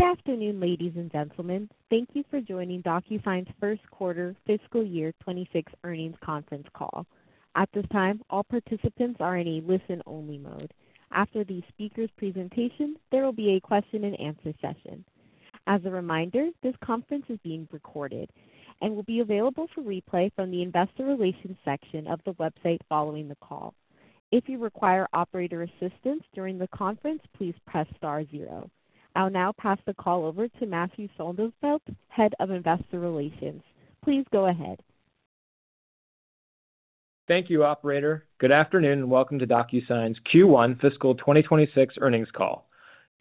Good afternoon, ladies and gentlemen. Thank you for joining DocuSign's first quarter, Fiscal Year 2026 Earnings Conference Call. At this time, all participants are in a listen-only mode. After the speaker's presentation, there will be a question-and-answer session. As a reminder, this conference is being recorded and will be available for replay from the investor relations section of the website following the call. If you require operator assistance during the conference, please press star zero. I'll now pass the call over to Matthew Sonefeldt, Head of Investor Relations. Please go ahead. Thank you, Operator. Good afternoon and welcome to DocuSign's Q1 Fiscal 2026 Earnings Call.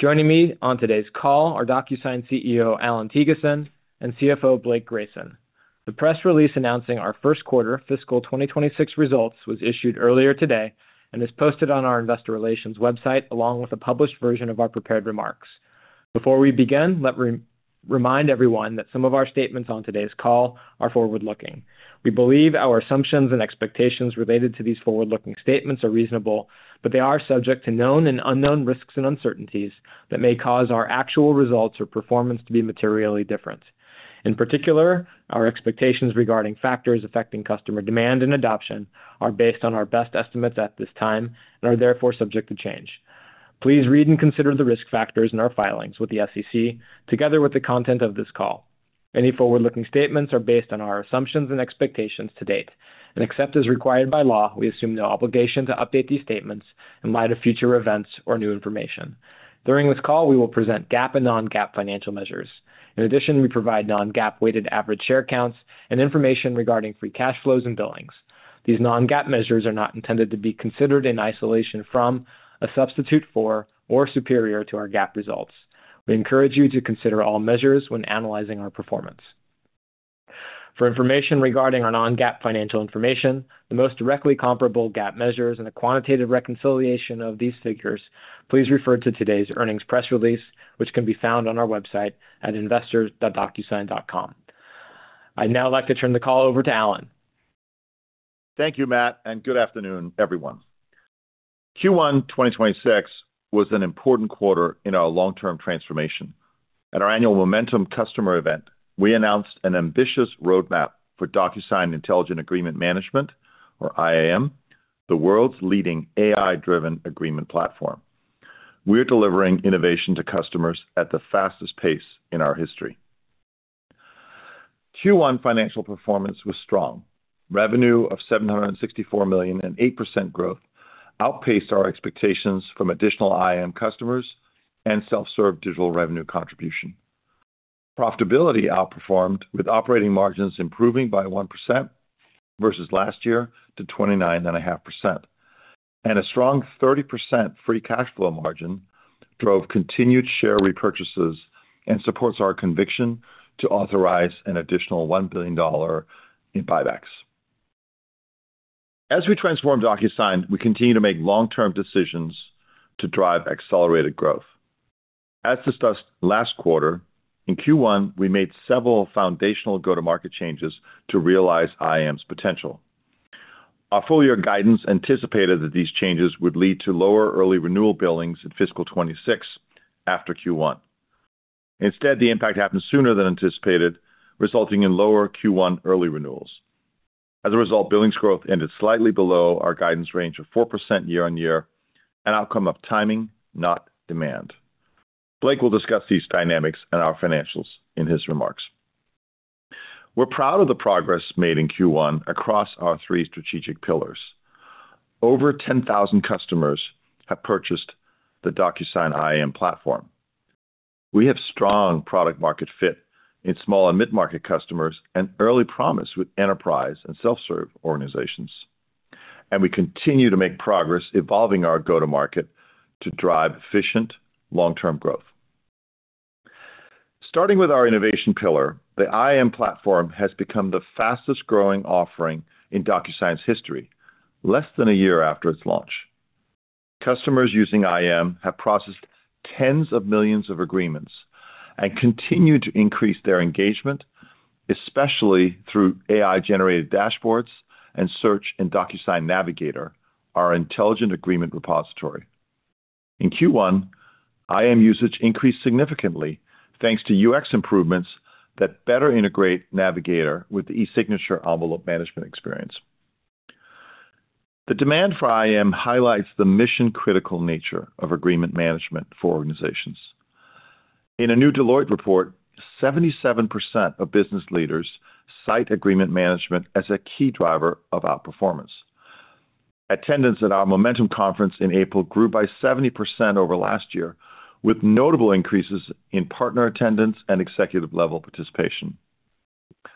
Joining me on today's call are DocuSign CEO Allan Thygesen and CFO Blake Grayson. The press release announcing our first quarter Fiscal 2026 results was issued earlier today and is posted on our investor relations website along with a published version of our prepared remarks. Before we begin, let me remind everyone that some of our statements on today's call are forward-looking. We believe our assumptions and expectations related to these forward-looking statements are reasonable, but they are subject to known and unknown risks and uncertainties that may cause our actual results or performance to be materially different. In particular, our expectations regarding factors affecting customer demand and adoption are based on our best estimates at this time and are therefore subject to change. Please read and consider the risk factors in our filings with the SEC together with the content of this call. Any forward-looking statements are based on our assumptions and expectations to date, and except as required by law, we assume no obligation to update these statements in light of future events or new information. During this call, we will present GAAP and non-GAAP financial measures. In addition, we provide non-GAAP weighted average share counts and information regarding free cash flows and billings. These non-GAAP measures are not intended to be considered in isolation from, a substitute for, or superior to our GAAP results. We encourage you to consider all measures when analyzing our performance. For information regarding our non-GAAP financial information, the most directly comparable GAAP measures and a quantitative reconciliation of these figures, please refer to today's Earnings Press Release, which can be found on our website at investor.docusign.com. I'd now like to turn the call over to Allan. Thank you, Matt, and good afternoon, everyone. Q1 2026 was an important quarter in our long-term transformation. At our annual Momentum Customer Event, we announced an ambitious roadmap for DocuSign Intelligent Agreement Management, or IAM, the world's leading AI-driven agreement platform. We're delivering innovation to customers at the fastest pace in our history. Q1 financial performance was strong. Revenue of $764 million and 8% growth outpaced our expectations from additional IAM customers and self-serve digital revenue contribution. Profitability outperformed, with operating margins improving by 1% versus last year to 29.5%, and a strong 30% free cash flow margin drove continued share repurchases and supports our conviction to authorize an additional $1 billion in buybacks. As we transform DocuSign, we continue to make long-term decisions to drive accelerated growth. As discussed last quarter, in Q1, we made several foundational go-to-market changes to realize IAM's potential. Our full-year guidance anticipated that these changes would lead to lower early renewal billings in Fiscal 2026 after Q1. Instead, the impact happened sooner than anticipated, resulting in lower Q1 early renewals. As a result, billings growth ended slightly below our guidance range of 4% year-on-year, an outcome of timing, not demand. Blake will discuss these dynamics and our financials in his remarks. We're proud of the progress made in Q1 across our three strategic pillars. Over 10,000 customers have purchased the DocuSign IAM platform. We have strong product-market fit in small and mid-market customers and early promise with enterprise and self-serve organizations. We continue to make progress evolving our go-to-market to drive efficient long-term growth. Starting with our innovation pillar, the IAM platform has become the fastest-growing offering in DocuSign's history, less than a year after its launch. Customers using IAM have processed tens of millions of agreements and continue to increase their engagement, especially through AI-generated dashboards and search in DocuSign Navigator, our intelligent agreement repository. In Q1, IAM usage increased significantly thanks to UX improvements that better integrate Navigator with the e-signature envelope management experience. The demand for IAM highlights the mission-critical nature of agreement management for organizations. In a new Deloitte report, 77% of business leaders cite agreement management as a key driver of our performance. Attendance at our Momentum Conference in April grew by 70% over last year, with notable increases in partner attendance and executive-level participation.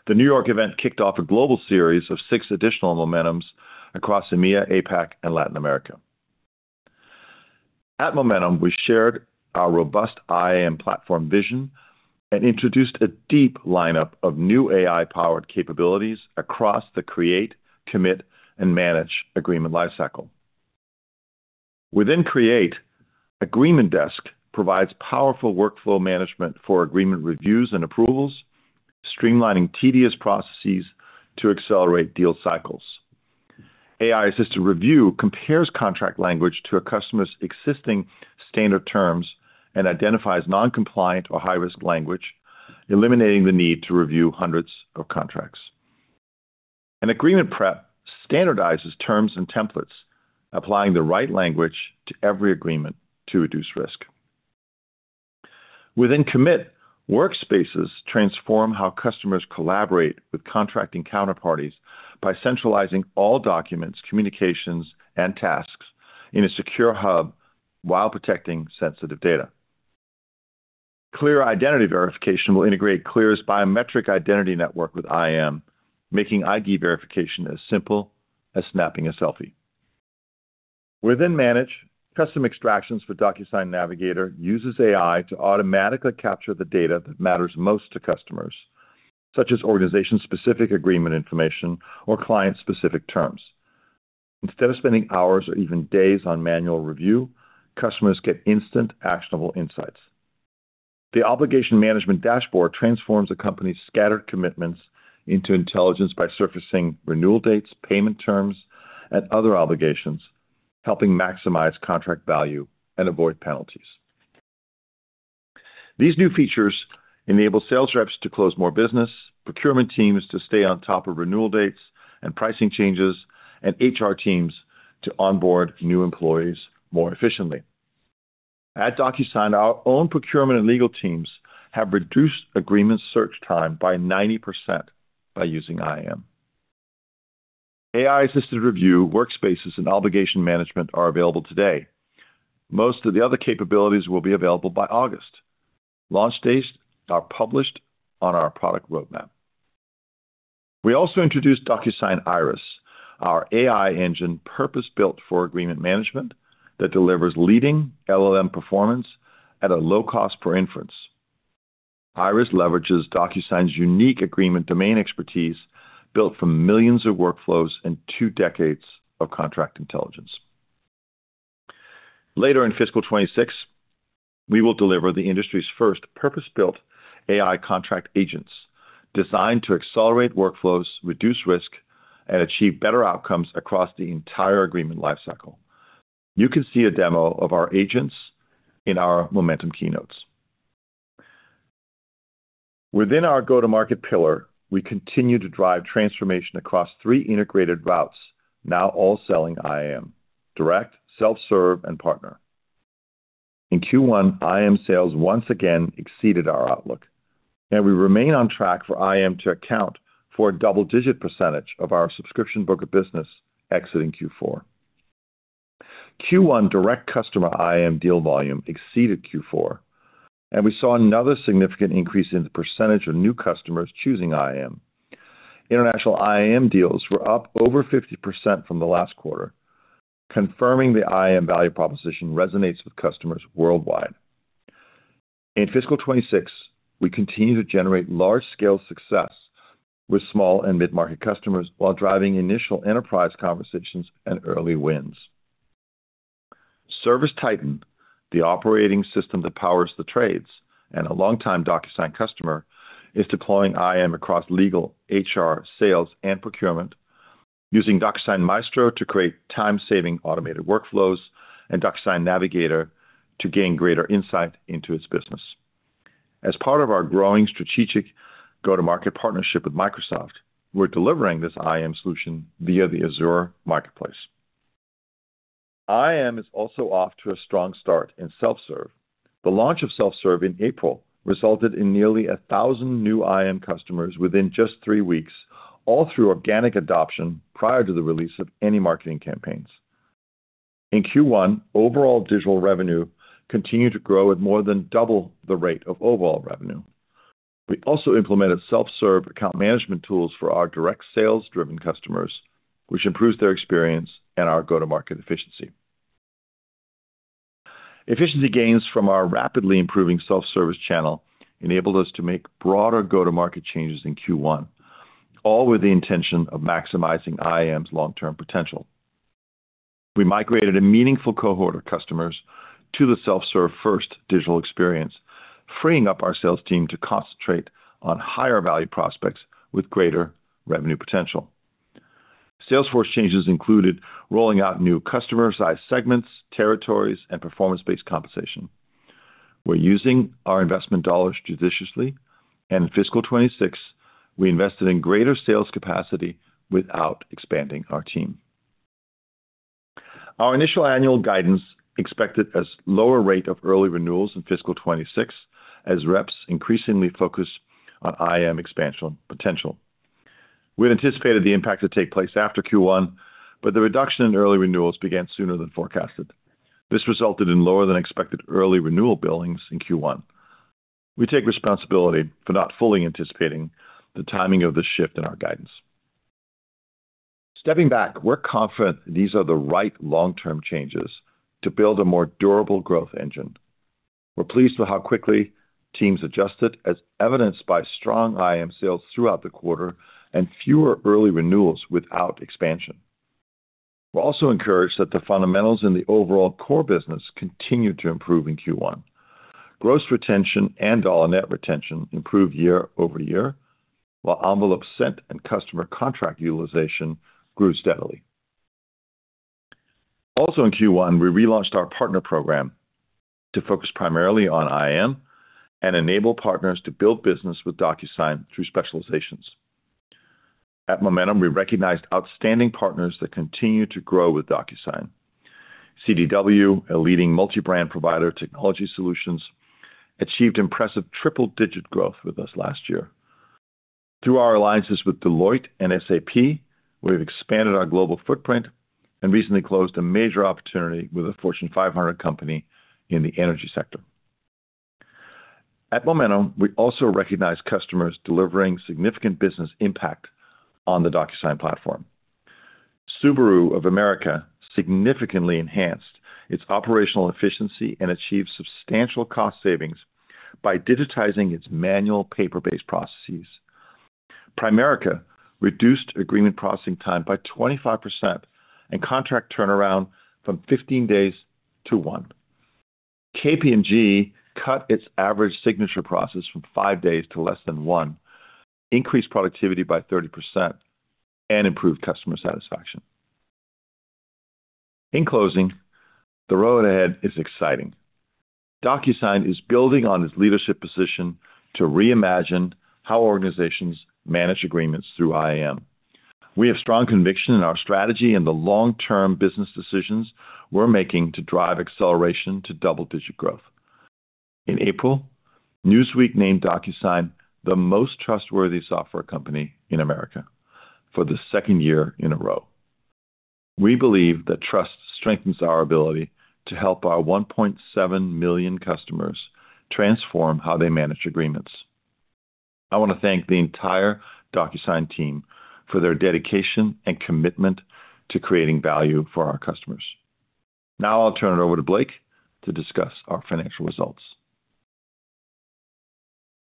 The New York event kicked off a global series of six additional Momentums across EMEA, APAC, and Latin America. At Momentum, we shared our robust IAM platform vision and introduced a deep lineup of new AI-powered capabilities across the create, commit, and manage agreement lifecycle. Within Create, Agreement Desk provides powerful workflow management for agreement reviews and approvals, streamlining tedious processes to accelerate deal cycles. AI Assistant Review compares contract language to a customer's existing standard terms and identifies non-compliant or high-risk language, eliminating the need to review hundreds of contracts. Agreement Prep standardizes terms and templates, applying the right language to every agreement to reduce risk. Within Commit, Workspaces transform how customers collaborate with contracting counterparties by centralizing all documents, communications, and tasks in a secure hub while protecting sensitive data. Clear Identity Verification will integrate Clear's Biometric Identity Network with IAM, making ID verification as simple as snapping a selfie. Within Manage, custom extractions for DocuSign Navigator use AI to automatically capture the data that matters most to customers, such as organization-specific agreement information or client-specific terms. Instead of spending hours or even days on manual review, customers get instant, actionable insights. The Obligation Management Dashboard transforms a company's scattered commitments into intelligence by surfacing renewal dates, payment terms, and other obligations, helping maximize contract value and avoid penalties. These new features enable sales reps to close more business, procurement teams to stay on top of renewal dates and pricing changes, and HR teams to onboard new employees more efficiently. At DocuSign, our own procurement and legal teams have reduced agreement search time by 90% by using IAM. AI Assisted Review, Workspaces, and Obligation Management are available today. Most of the other capabilities will be available by August. Launch dates are published on our product roadmap. We also introduced DocuSign Iris, our AI engine purpose-built for agreement management that delivers leading LLM performance at a low cost per inference. Iris leverages DocuSign's unique agreement domain expertise built from millions of workflows and two decades of contract intelligence. Later in Fiscal 2026, we will deliver the industry's first purpose-built AI contract agents designed to accelerate workflows, reduce risk, and achieve better outcomes across the entire agreement lifecycle. You can see a demo of our agents in our Momentum keynotes. Within our go-to-market pillar, we continue to drive transformation across three integrated routes, now all selling IAM: direct, self-serve, and partner. In Q1, IAM sales once again exceeded our outlook, and we remain on track for IAM to account for a double-digit percentage of our subscription book of business exiting Q4. Q1 direct customer IAM deal volume exceeded Q4, and we saw another significant increase in the percentage of new customers choosing IAM. International IAM deals were up over 50% from the last quarter, confirming the IAM value proposition resonates with customers worldwide. In Fiscal 2026, we continue to generate large-scale success with small and mid-market customers while driving initial enterprise conversations and early wins. ServiceTitan, the operating system that powers the trades and a longtime DocuSign customer, is deploying IAM across legal, HR, sales, and procurement, using DocuSign Maestro to create time-saving automated workflows and DocuSign Navigator to gain greater insight into its business. As part of our growing strategic go-to-market partnership with Microsoft, we're delivering this IAM solution via the Azure Marketplace. IAM is also off to a strong start in self-serve. The launch of self-serve in April resulted in nearly 1,000 new IAM customers within just three weeks, all through organic adoption prior to the release of any marketing campaigns. In Q1, overall digital revenue continued to grow at more than double the rate of overall revenue. We also implemented self-serve account management tools for our direct sales-driven customers, which improves their experience and our go-to-market efficiency. Efficiency gains from our rapidly improving self-service channel enabled us to make broader go-to-market changes in Q1, all with the intention of maximizing IAM's long-term potential. We migrated a meaningful cohort of customers to the self-serve-first digital experience, freeing up our sales team to concentrate on higher-value prospects with greater revenue potential. Salesforce changes included rolling out new customer-size segments, territories, and performance-based compensation. We're using our investment dollars judiciously, and in Fiscal 2026, we invested in greater sales capacity without expanding our team. Our initial annual guidance expected a lower rate of early renewals in Fiscal 2026 as reps increasingly focused on IAM expansion potential. We anticipated the impact to take place after Q1, but the reduction in early renewals began sooner than forecasted. This resulted in lower-than-expected early renewal billings in Q1. We take responsibility for not fully anticipating the timing of this shift in our guidance. Stepping back, we're confident these are the right long-term changes to build a more durable growth engine. We're pleased with how quickly teams adjusted, as evidenced by strong IAM sales throughout the quarter and fewer early renewals without expansion. We're also encouraged that the fundamentals in the overall core business continued to improve in Q1. Gross retention and dollar net retention improved year over year, while envelope sent and customer contract utilization grew steadily. Also in Q1, we relaunched our partner program to focus primarily on IAM and enable partners to build business with DocuSign through specializations. At Momentum, we recognized outstanding partners that continue to grow with DocuSign. CDW, a leading multi-brand provider of technology solutions, achieved impressive triple-digit growth with us last year. Through our alliances with Deloitte and SAP, we've expanded our global footprint and recently closed a major opportunity with a Fortune 500 company in the energy sector. At Momentum, we also recognize customers delivering significant business impact on the DocuSign platform. Subaru of America significantly enhanced its operational efficiency and achieved substantial cost savings by digitizing its manual paper-based processes. Primerica reduced agreement processing time by 25% and contract turnaround from 15 days to 1. KPMG cut its average signature process from 5 days to less than 1, increased productivity by 30%, and improved customer satisfaction. In closing, the road ahead is exciting. DocuSign is building on its leadership position to reimagine how organizations manage agreements through IAM. We have strong conviction in our strategy and the long-term business decisions we're making to drive acceleration to double-digit growth. In April, Newsweek named DocuSign the most trustworthy software company in America for the second year in a row. We believe that trust strengthens our ability to help our 1.7 million customers transform how they manage agreements. I want to thank the entire DocuSign team for their dedication and commitment to creating value for our customers. Now I'll turn it over to Blake to discuss our financial results.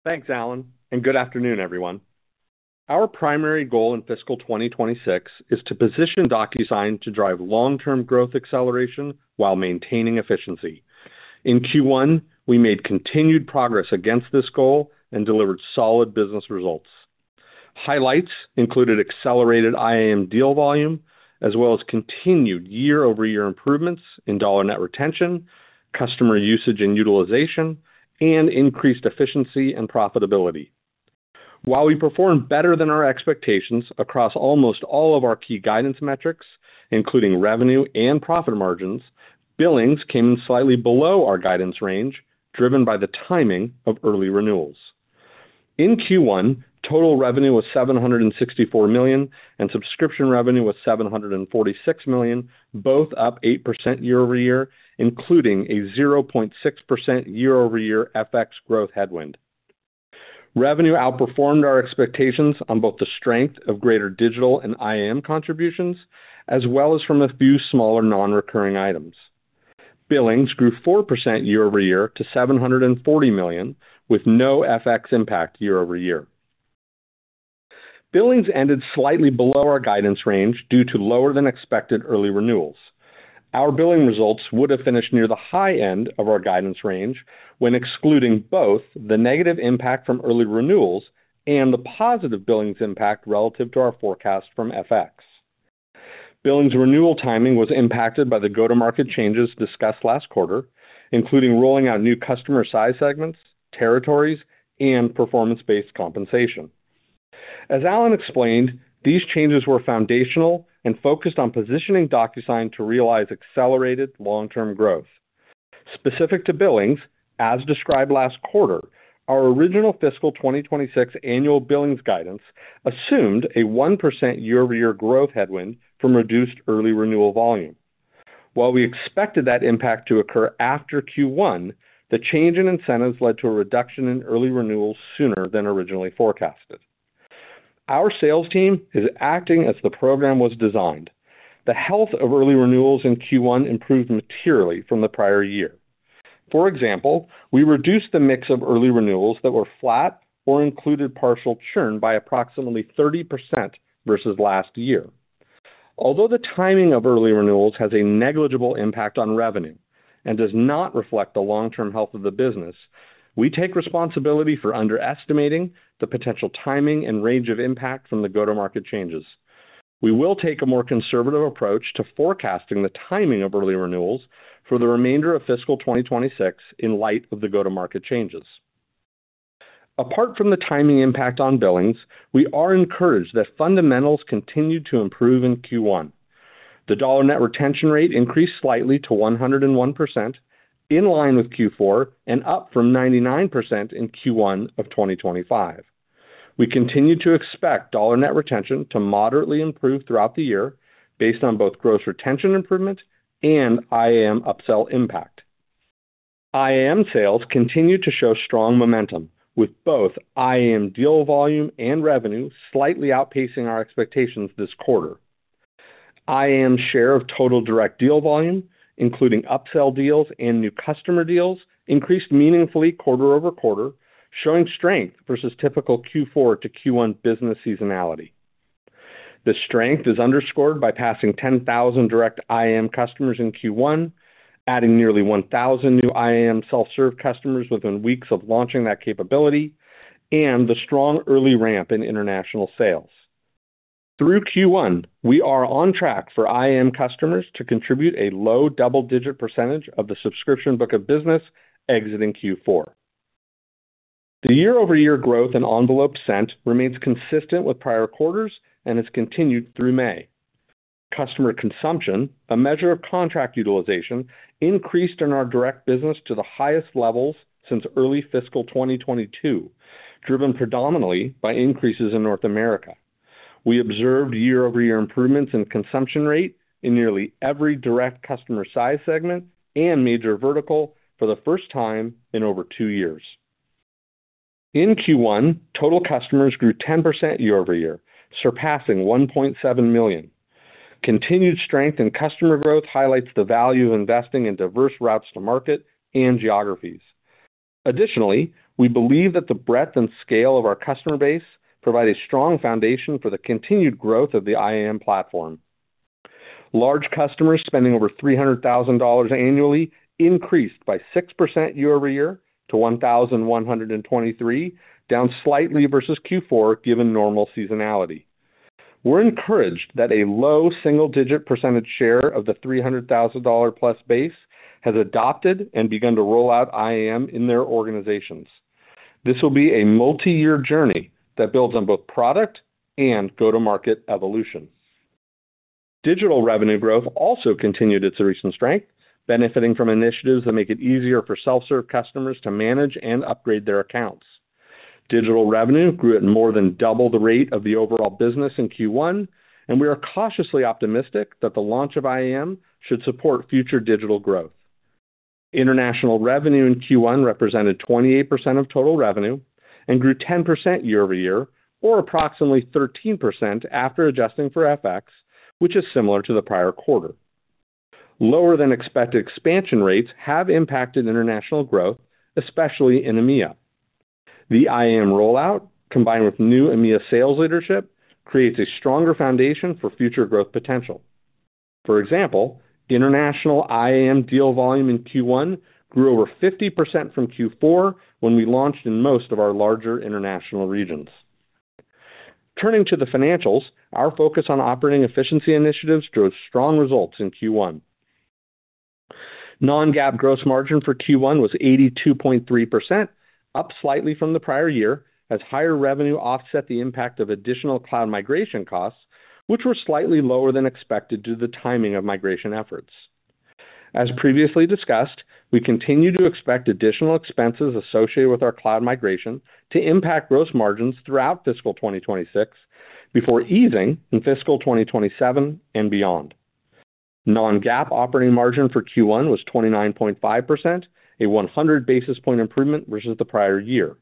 Thanks, Allan, and good afternoon, everyone. Our primary goal in Fiscal 2026 is to position DocuSign to drive long-term growth acceleration while maintaining efficiency. In Q1, we made continued progress against this goal and delivered solid business results. Highlights included accelerated IAM deal volume, as well as continued year-over-year improvements in dollar net retention, customer usage and utilization, and increased efficiency and profitability. While we performed better than our expectations across almost all of our key guidance metrics, including revenue and profit margins, billings came in slightly below our guidance range, driven by the timing of early renewals. In Q1, total revenue was $764 million, and subscription revenue was $746 million, both up 8% year-over-year, including a 0.6% year-over-year FX growth headwind. Revenue outperformed our expectations on both the strength of greater digital and IAM contributions, as well as from a few smaller non-recurring items. Billings grew 4% year-over-year to $740 million, with no FX impact year-over-year. Billings ended slightly below our guidance range due to lower-than-expected early renewals. Our billing results would have finished near the high end of our guidance range when excluding both the negative impact from early renewals and the positive billings impact relative to our forecast from FX. Billings' renewal timing was impacted by the go-to-market changes discussed last quarter, including rolling out new customer-size segments, territories, and performance-based compensation. As Allan explained, these changes were foundational and focused on positioning DocuSign to realize accelerated long-term growth. Specific to billings, as described last quarter, our original Fiscal 2026 annual billings guidance assumed a 1% year-over-year growth headwind from reduced early renewal volume. While we expected that impact to occur after Q1, the change in incentives led to a reduction in early renewals sooner than originally forecasted. Our sales team is acting as the program was designed. The health of early renewals in Q1 improved materially from the prior year. For example, we reduced the mix of early renewals that were flat or included partial churn by approximately 30% versus last year. Although the timing of early renewals has a negligible impact on revenue and does not reflect the long-term health of the business, we take responsibility for underestimating the potential timing and range of impact from the go-to-market changes. We will take a more conservative approach to forecasting the timing of early renewals for the remainder of Fiscal 2026 in light of the go-to-market changes. Apart from the timing impact on billings, we are encouraged that fundamentals continue to improve in Q1. The dollar net retention rate increased slightly to 101%, in line with Q4, and up from 99% in Q1 of 2025. We continue to expect dollar net retention to moderately improve throughout the year based on both gross retention improvement and IAM upsell impact. IAM sales continue to show strong momentum, with both IAM deal volume and revenue slightly outpacing our expectations this quarter. IAM share of total direct deal volume, including upsell deals and new customer deals, increased meaningfully quarter over quarter, showing strength versus typical Q4 to Q1 business seasonality. The strength is underscored by passing 10,000 direct IAM customers in Q1, adding nearly 1,000 new IAM self-serve customers within weeks of launching that capability, and the strong early ramp in international sales. Through Q1, we are on track for IAM customers to contribute a low double-digit % of the subscription book of business exiting Q4. The year-over-year growth in envelope sent remains consistent with prior quarters and has continued through May. Customer consumption, a measure of contract utilization, increased in our direct business to the highest levels since early Fiscal 2022, driven predominantly by increases in North America. We observed year-over-year improvements in consumption rate in nearly every direct customer size segment and major vertical for the first time in over two years. In Q1, total customers grew 10% year-over-year, surpassing 1.7 million. Continued strength in customer growth highlights the value of investing in diverse routes to market and geographies. Additionally, we believe that the breadth and scale of our customer base provide a strong foundation for the continued growth of the IAM platform. Large customers spending over $300,000 annually increased by 6% year-over-year to 1,123, down slightly versus Q4 given normal seasonality. We're encouraged that a low single-digit % share of the $300,000-plus base has adopted and begun to roll out IAM in their organizations. This will be a multi-year journey that builds on both product and go-to-market evolution. Digital revenue growth also continued its recent strength, benefiting from initiatives that make it easier for self-serve customers to manage and upgrade their accounts. Digital revenue grew at more than double the rate of the overall business in Q1, and we are cautiously optimistic that the launch of IAM should support future digital growth. International revenue in Q1 represented 28% of total revenue and grew 10% year-over-year, or approximately 13% after adjusting for FX, which is similar to the prior quarter. Lower-than-expected expansion rates have impacted international growth, especially in EMEA. The IAM rollout, combined with new EMEA sales leadership, creates a stronger foundation for future growth potential. For example, international IAM deal volume in Q1 grew over 50% from Q4 when we launched in most of our larger international regions. Turning to the financials, our focus on operating efficiency initiatives drove strong results in Q1. Non-GAAP gross margin for Q1 was 82.3%, up slightly from the prior year, as higher revenue offset the impact of additional cloud migration costs, which were slightly lower than expected due to the timing of migration efforts. As previously discussed, we continue to expect additional expenses associated with our cloud migration to impact gross margins throughout Fiscal 2026 before easing in Fiscal 2027 and beyond. Non-GAAP operating margin for Q1 was 29.5%, a 100 basis point improvement versus the prior year.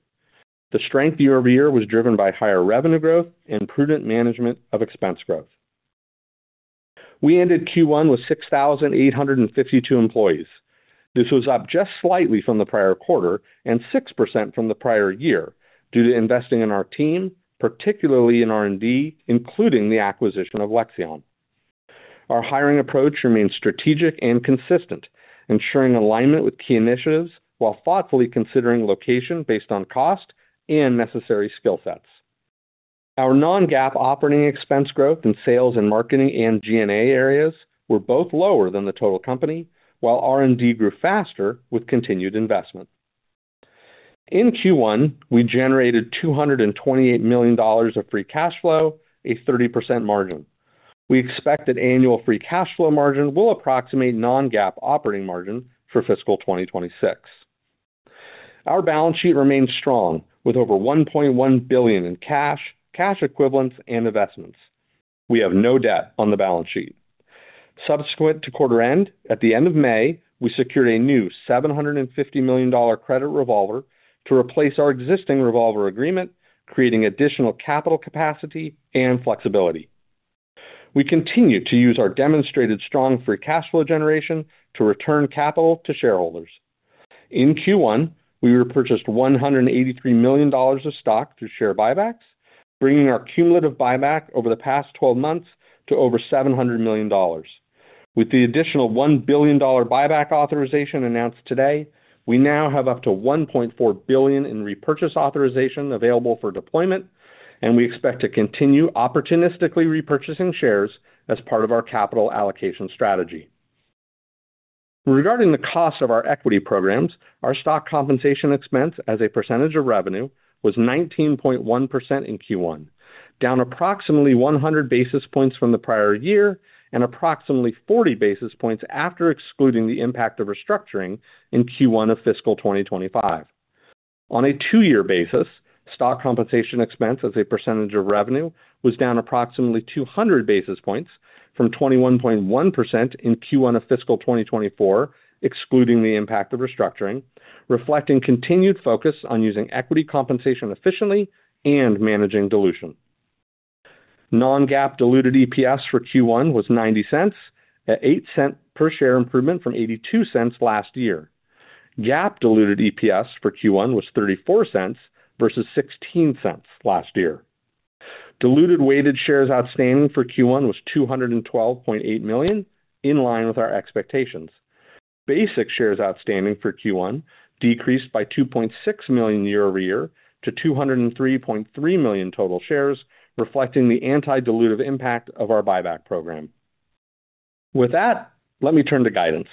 The strength year-over-year was driven by higher revenue growth and prudent management of expense growth. We ended Q1 with 6,852 employees. This was up just slightly from the prior quarter and 6% from the prior year due to investing in our team, particularly in R&D, including the acquisition of Lexion. Our hiring approach remains strategic and consistent, ensuring alignment with key initiatives while thoughtfully considering location based on cost and necessary skill sets. Our non-GAAP operating expense growth in sales and marketing and G&A areas were both lower than the total company, while R&D grew faster with continued investment. In Q1, we generated $228 million of free cash flow, a 30% margin. We expect that annual free cash flow margin will approximate non-GAAP operating margin for Fiscal 2026. Our balance sheet remains strong, with over $1.1 billion in cash, cash equivalents, and investments. We have no debt on the balance sheet. Subsequent to quarter end, at the end of May, we secured a new $750 million credit revolver to replace our existing revolver agreement, creating additional capital capacity and flexibility. We continue to use our demonstrated strong free cash flow generation to return capital to shareholders. In Q1, we repurchased $183 million of stock through share buybacks, bringing our cumulative buyback over the past 12 months to over $700 million. With the additional $1 billion buyback authorization announced today, we now have up to $1.4 billion in repurchase authorization available for deployment, and we expect to continue opportunistically repurchasing shares as part of our capital allocation strategy. Regarding the cost of our equity programs, our stock compensation expense as a percentage of revenue was 19.1% in Q1, down approximately 100 basis points from the prior year and approximately 40 basis points after excluding the impact of restructuring in Q1 of Fiscal 2025. On a two-year basis, stock compensation expense as a percentage of revenue was down approximately 200 basis points from 21.1% in Q1 of Fiscal 2024, excluding the impact of restructuring, reflecting continued focus on using equity compensation efficiently and managing dilution. Non-GAAP diluted EPS for Q1 was $0.90, an 8 cent per share improvement from $0.82 last year. GAAP diluted EPS for Q1 was $0.34 versus $0.16 last year. Diluted weighted shares outstanding for Q1 was 212.8 million, in line with our expectations. Basic shares outstanding for Q1 decreased by 2.6 million year-over-year to 203.3 million total shares, reflecting the anti-dilutive impact of our buyback program. With that, let me turn to guidance.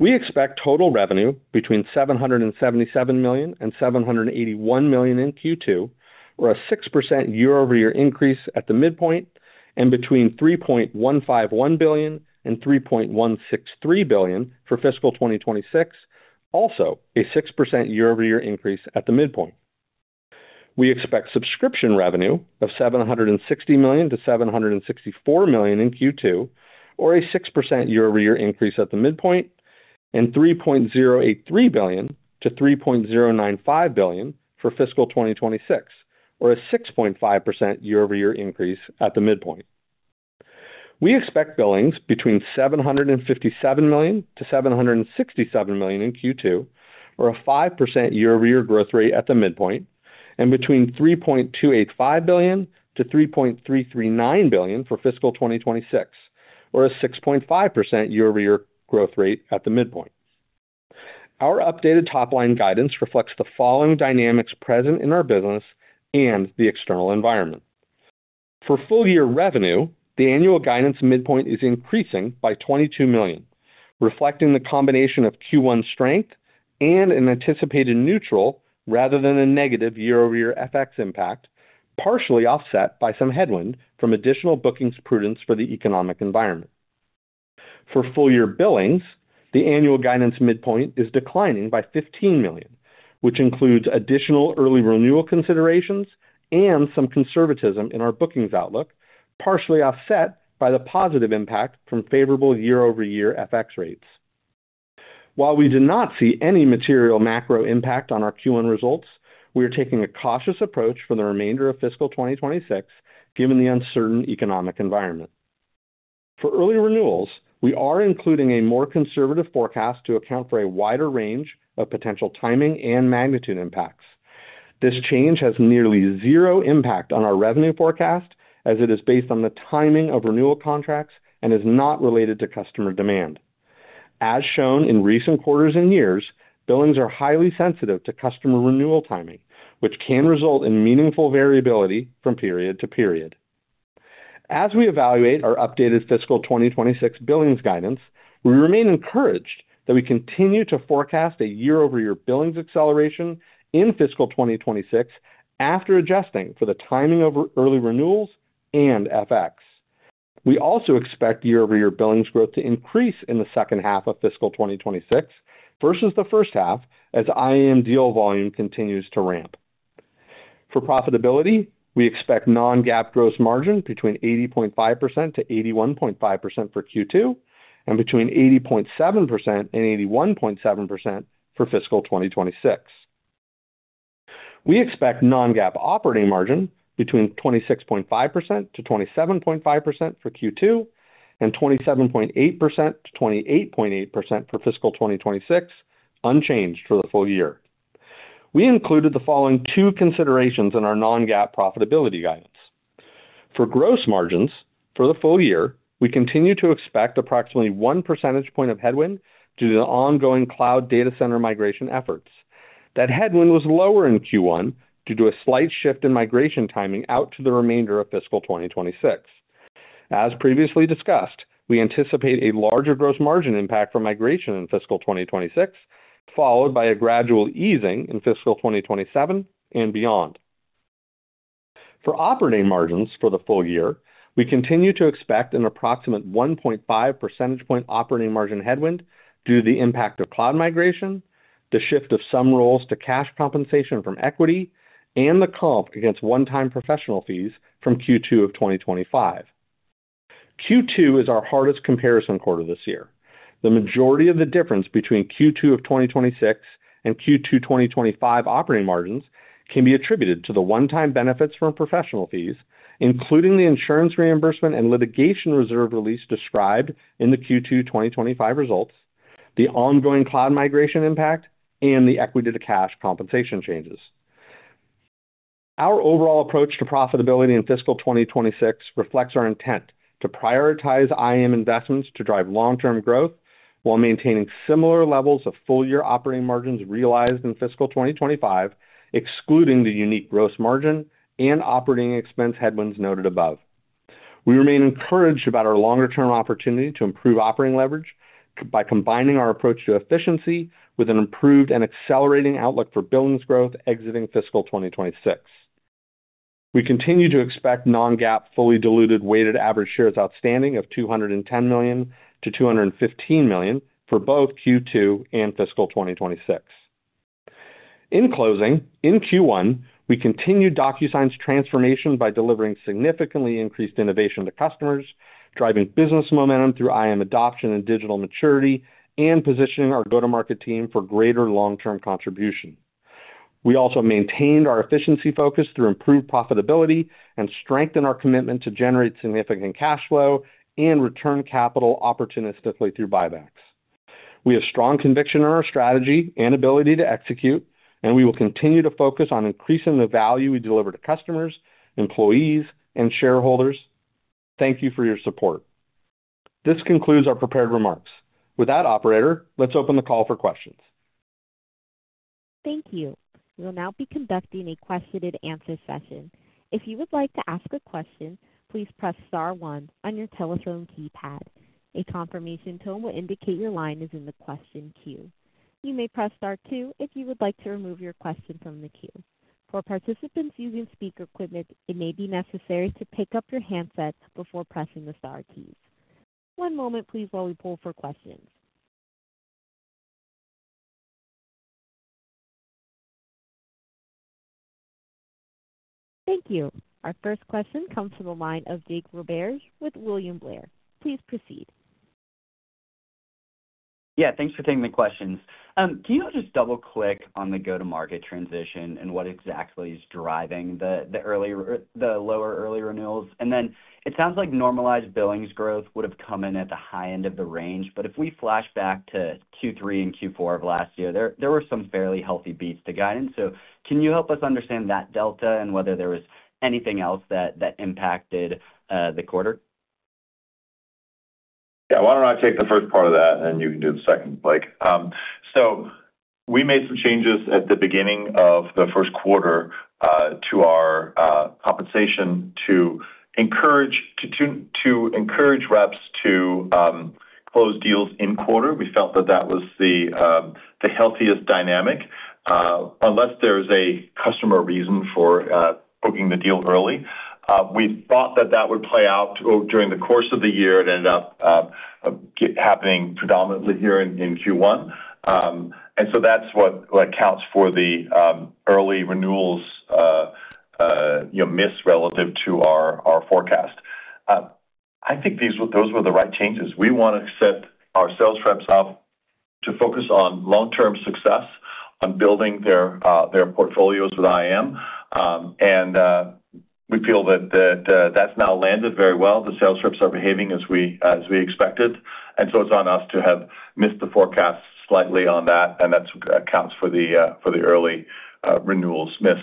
We expect total revenue between $777 million and $781 million in Q2, or a 6% year-over-year increase at the midpoint, and between $3.151 billion and $3.163 billion for Fiscal 2026, also a 6% year-over-year increase at the midpoint. We expect subscription revenue of $760 million-$764 million in Q2, or a 6% year-over-year increase at the midpoint, and $3.083 billion-$3.095 billion for Fiscal 2026, or a 6.5% year-over-year increase at the midpoint. We expect billings between $757 million-$767 million in Q2, or a 5% year-over-year growth rate at the midpoint, and between $3.285 billion-$3.339 billion for Fiscal 2026, or a 6.5% year-over-year growth rate at the midpoint. Our updated top-line guidance reflects the following dynamics present in our business and the external environment. For full-year revenue, the annual guidance midpoint is increasing by $22 million, reflecting the combination of Q1 strength and an anticipated neutral rather than a negative year-over-year FX impact, partially offset by some headwind from additional bookings prudence for the economic environment. For full-year billings, the annual guidance midpoint is declining by $15 million, which includes additional early renewal considerations and some conservatism in our bookings outlook, partially offset by the positive impact from favorable year-over-year FX rates. While we do not see any material macro impact on our Q1 results, we are taking a cautious approach for the remainder of Fiscal 2026, given the uncertain economic environment. For early renewals, we are including a more conservative forecast to account for a wider range of potential timing and magnitude impacts. This change has nearly zero impact on our revenue forecast, as it is based on the timing of renewal contracts and is not related to customer demand. As shown in recent quarters and years, billings are highly sensitive to customer renewal timing, which can result in meaningful variability from period to period. As we evaluate our updated Fiscal 2026 billings guidance, we remain encouraged that we continue to forecast a year-over-year billings acceleration in Fiscal 2026 after adjusting for the timing of early renewals and FX. We also expect year-over-year billings growth to increase in the second half of Fiscal 2026 versus the first half, as IAM deal volume continues to ramp. For profitability, we expect non-GAAP gross margin between 80.5%-81.5% for Q2 and between 80.7%-81.7% for Fiscal 2026. We expect non-GAAP operating margin between 26.5%-27.5% for Q2 and 27.8%-28.8% for Fiscal 2026, unchanged for the full year. We included the following two considerations in our non-GAAP profitability guidance. For gross margins for the full year, we continue to expect approximately 1 percentage point of headwind due to the ongoing cloud data center migration efforts. That headwind was lower in Q1 due to a slight shift in migration timing out to the remainder of Fiscal 2026. As previously discussed, we anticipate a larger gross margin impact for migration in Fiscal 2026, followed by a gradual easing in Fiscal 2027 and beyond. For operating margins for the full year, we continue to expect an approximate 1.5 percentage point operating margin headwind due to the impact of cloud migration, the shift of some roles to cash compensation from equity, and the comp against one-time professional fees from Q2 of 2025. Q2 is our hardest comparison quarter this year. The majority of the difference between Q2 of 2026 and Q2 2025 operating margins can be attributed to the one-time benefits from professional fees, including the insurance reimbursement and litigation reserve release described in the Q2 2025 results, the ongoing cloud migration impact, and the equity-to-cash compensation changes. Our overall approach to profitability in Fiscal 2026 reflects our intent to prioritize IAM investments to drive long-term growth while maintaining similar levels of full-year operating margins realized in Fiscal 2025, excluding the unique gross margin and operating expense headwinds noted above. We remain encouraged about our longer-term opportunity to improve operating leverage by combining our approach to efficiency with an improved and accelerating outlook for billings growth exiting Fiscal 2026. We continue to expect non-GAAP fully diluted weighted average shares outstanding of $210 million-$215 million for both Q2 and Fiscal 2026. In closing, in Q1, we continued DocuSign's transformation by delivering significantly increased innovation to customers, driving business momentum through IAM adoption and digital maturity, and positioning our go-to-market team for greater long-term contribution. We also maintained our efficiency focus through improved profitability and strengthened our commitment to generate significant cash flow and return capital opportunistically through buybacks. We have strong conviction in our strategy and ability to execute, and we will continue to focus on increasing the value we deliver to customers, employees, and shareholders. Thank you for your support. This concludes our prepared remarks. With that, Operator, let's open the call for questions. Thank you. We'll now be conducting a question-and-answer session. If you would like to ask a question, please press star one on your telephone keypad. A confirmation tone will indicate your line is in the question queue. You may press star two if you would like to remove your question from the queue. For participants using speaker equipment, it may be necessary to pick up your handset before pressing the star keys. One moment, please, while we pull for questions. Thank you. Our first question comes from the line of Jake Roberge with William Blair. Please proceed. Yeah, thanks for taking the questions. Can you just double-click on the go-to-market transition and what exactly is driving the lower early renewals? And then it sounds like normalized billings growth would have come in at the high end of the range, but if we flash back to Q3 and Q4 of last year, there were some fairly healthy beats to guidance. So can you help us understand that delta and whether there was anything else that impacted the quarter? Yeah, why don't I take the first part of that, and you can do the second, Blake? So we made some changes at the beginning of the first quarter to our compensation to encourage reps to close deals in quarter. We felt that that was the healthiest dynamic, unless there's a customer reason for booking the deal early. We thought that that would play out during the course of the year. It ended up happening predominantly here in Q1. That is what accounts for the early renewals miss relative to our forecast. I think those were the right changes. We want to set our sales reps up to focus on long-term success, on building their portfolios with IAM. We feel that that's now landed very well. The sales reps are behaving as we expected. It is on us to have missed the forecast slightly on that, and that accounts for the early renewals miss.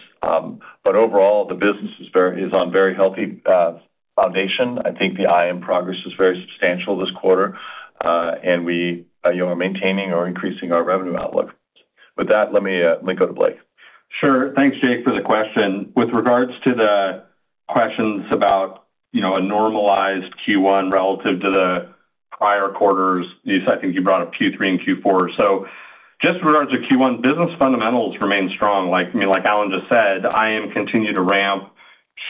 Overall, the business is on very healthy foundation. I think the IAM progress is very substantial this quarter, and we are maintaining or increasing our revenue outlook. With that, let me go to Blake. Sure. Thanks, Jake, for the question. With regards to the questions about a normalized Q1 relative to the prior quarters, I think you brought up Q3 and Q4. Just in regards to Q1, business fundamentals remain strong. Like Allan just said, IAM continued to ramp.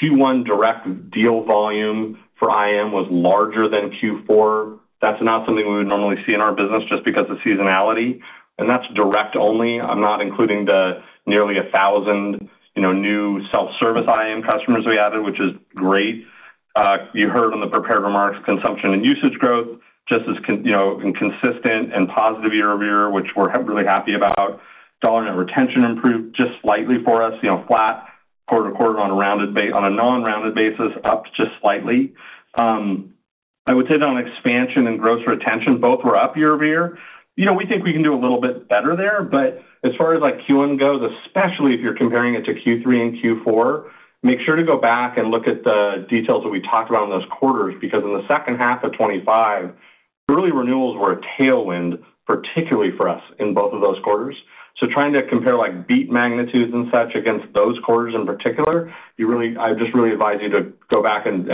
Q1 direct deal volume for IAM was larger than Q4. That's not something we would normally see in our business just because of seasonality. That's direct only. I'm not including the nearly 1,000 new self-service IAM customers we added, which is great. You heard on the prepared remarks, consumption and usage growth, just as consistent and positive year-over-year, which we're really happy about. Dollar net retention improved just slightly for us, flat quarter to quarter on a non-rounded basis, up just slightly. I would say that on expansion and gross retention, both were up year-over-year. We think we can do a little bit better there, but as far as Q1 goes, especially if you're comparing it to Q3 and Q4, make sure to go back and look at the details that we talked about in those quarters, because in the second half of 2025, early renewals were a tailwind, particularly for us in both of those quarters. Trying to compare beat magnitudes and such against those quarters in particular, I just really advise you to go back and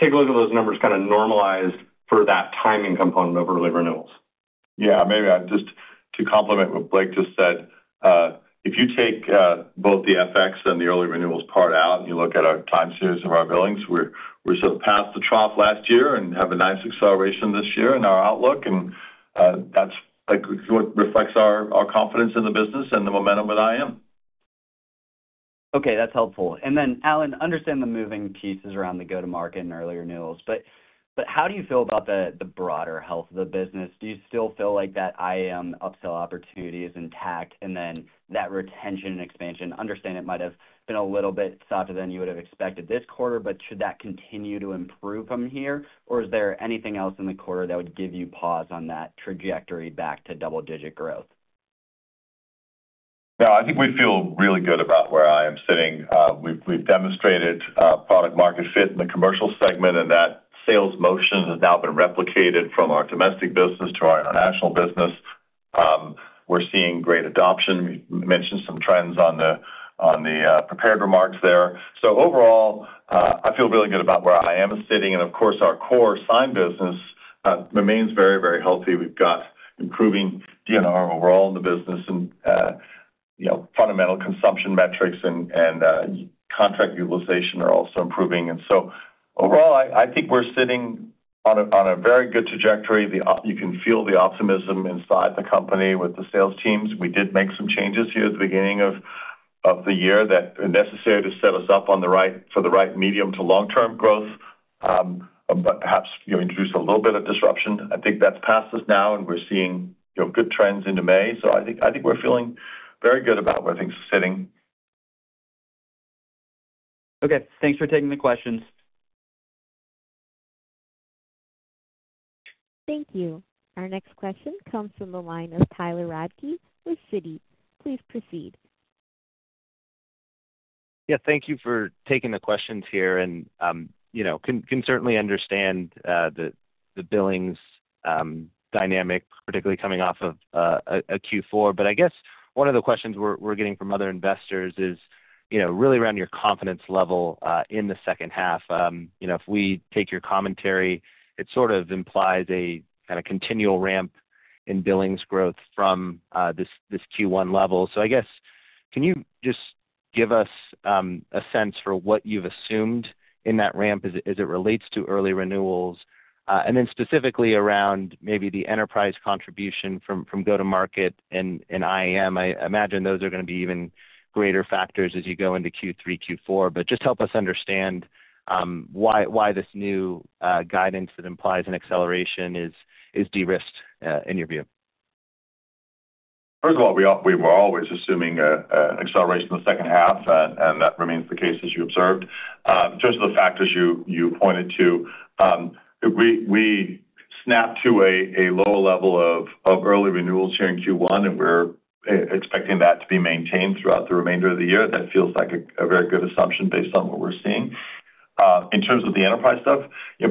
take a look at those numbers kind of normalized for that timing component of early renewals. Yeah, maybe just to complement what Blake just said, if you take both the FX and the early renewals part out and you look at our time series of our billings, we're sort of past the trough last year and have a nice acceleration this year in our outlook. That is what reflects our confidence in the business and the momentum with IAM. Okay, that is helpful. Allan, I understand the moving pieces around the go-to-market and early renewals, but how do you feel about the broader health of the business? Do you still feel like that IAM upsell opportunity is intact? That retention and expansion, I understand it might have been a little bit softer than you would have expected this quarter, but should that continue to improve from here? Is there anything else in the quarter that would give you pause on that trajectory back to double-digit growth? No, I think we feel really good about where IAM is sitting. We have demonstrated product-market fit in the commercial segment, and that sales motion has now been replicated from our domestic business to our international business. We are seeing great adoption. You mentioned some trends on the prepared remarks there. Overall, I feel really good about where I am sitting. Of course, our core sign business remains very, very healthy. We've got improving DNR overall in the business, and fundamental consumption metrics and contract utilization are also improving. Overall, I think we're sitting on a very good trajectory. You can feel the optimism inside the company with the sales teams. We did make some changes here at the beginning of the year that are necessary to set us up for the right medium to long-term growth, but perhaps introduce a little bit of disruption. I think that's past us now, and we're seeing good trends into May. I think we're feeling very good about where things are sitting. Okay, thanks for taking the questions. Thank you. Our next question comes from the line of Tyler Radke with Citi. Please proceed. Yeah, thank you for taking the questions here. I can certainly understand the billings dynamic, particularly coming off of a Q4. I guess one of the questions we're getting from other investors is really around your confidence level in the second half. If we take your commentary, it sort of implies a kind of continual ramp in billings growth from this Q1 level. I guess, can you just give us a sense for what you've assumed in that ramp as it relates to early renewals? Then specifically around maybe the enterprise contribution from go-to-market and IAM, I imagine those are going to be even greater factors as you go into Q3, Q4. Just help us understand why this new guidance that implies an acceleration is de-risked in your view. First of all, we were always assuming an acceleration in the second half, and that remains the case as you observed. In terms of the factors you pointed to, we snapped to a lower level of early renewals here in Q1, and we're expecting that to be maintained throughout the remainder of the year. That feels like a very good assumption based on what we're seeing. In terms of the enterprise stuff,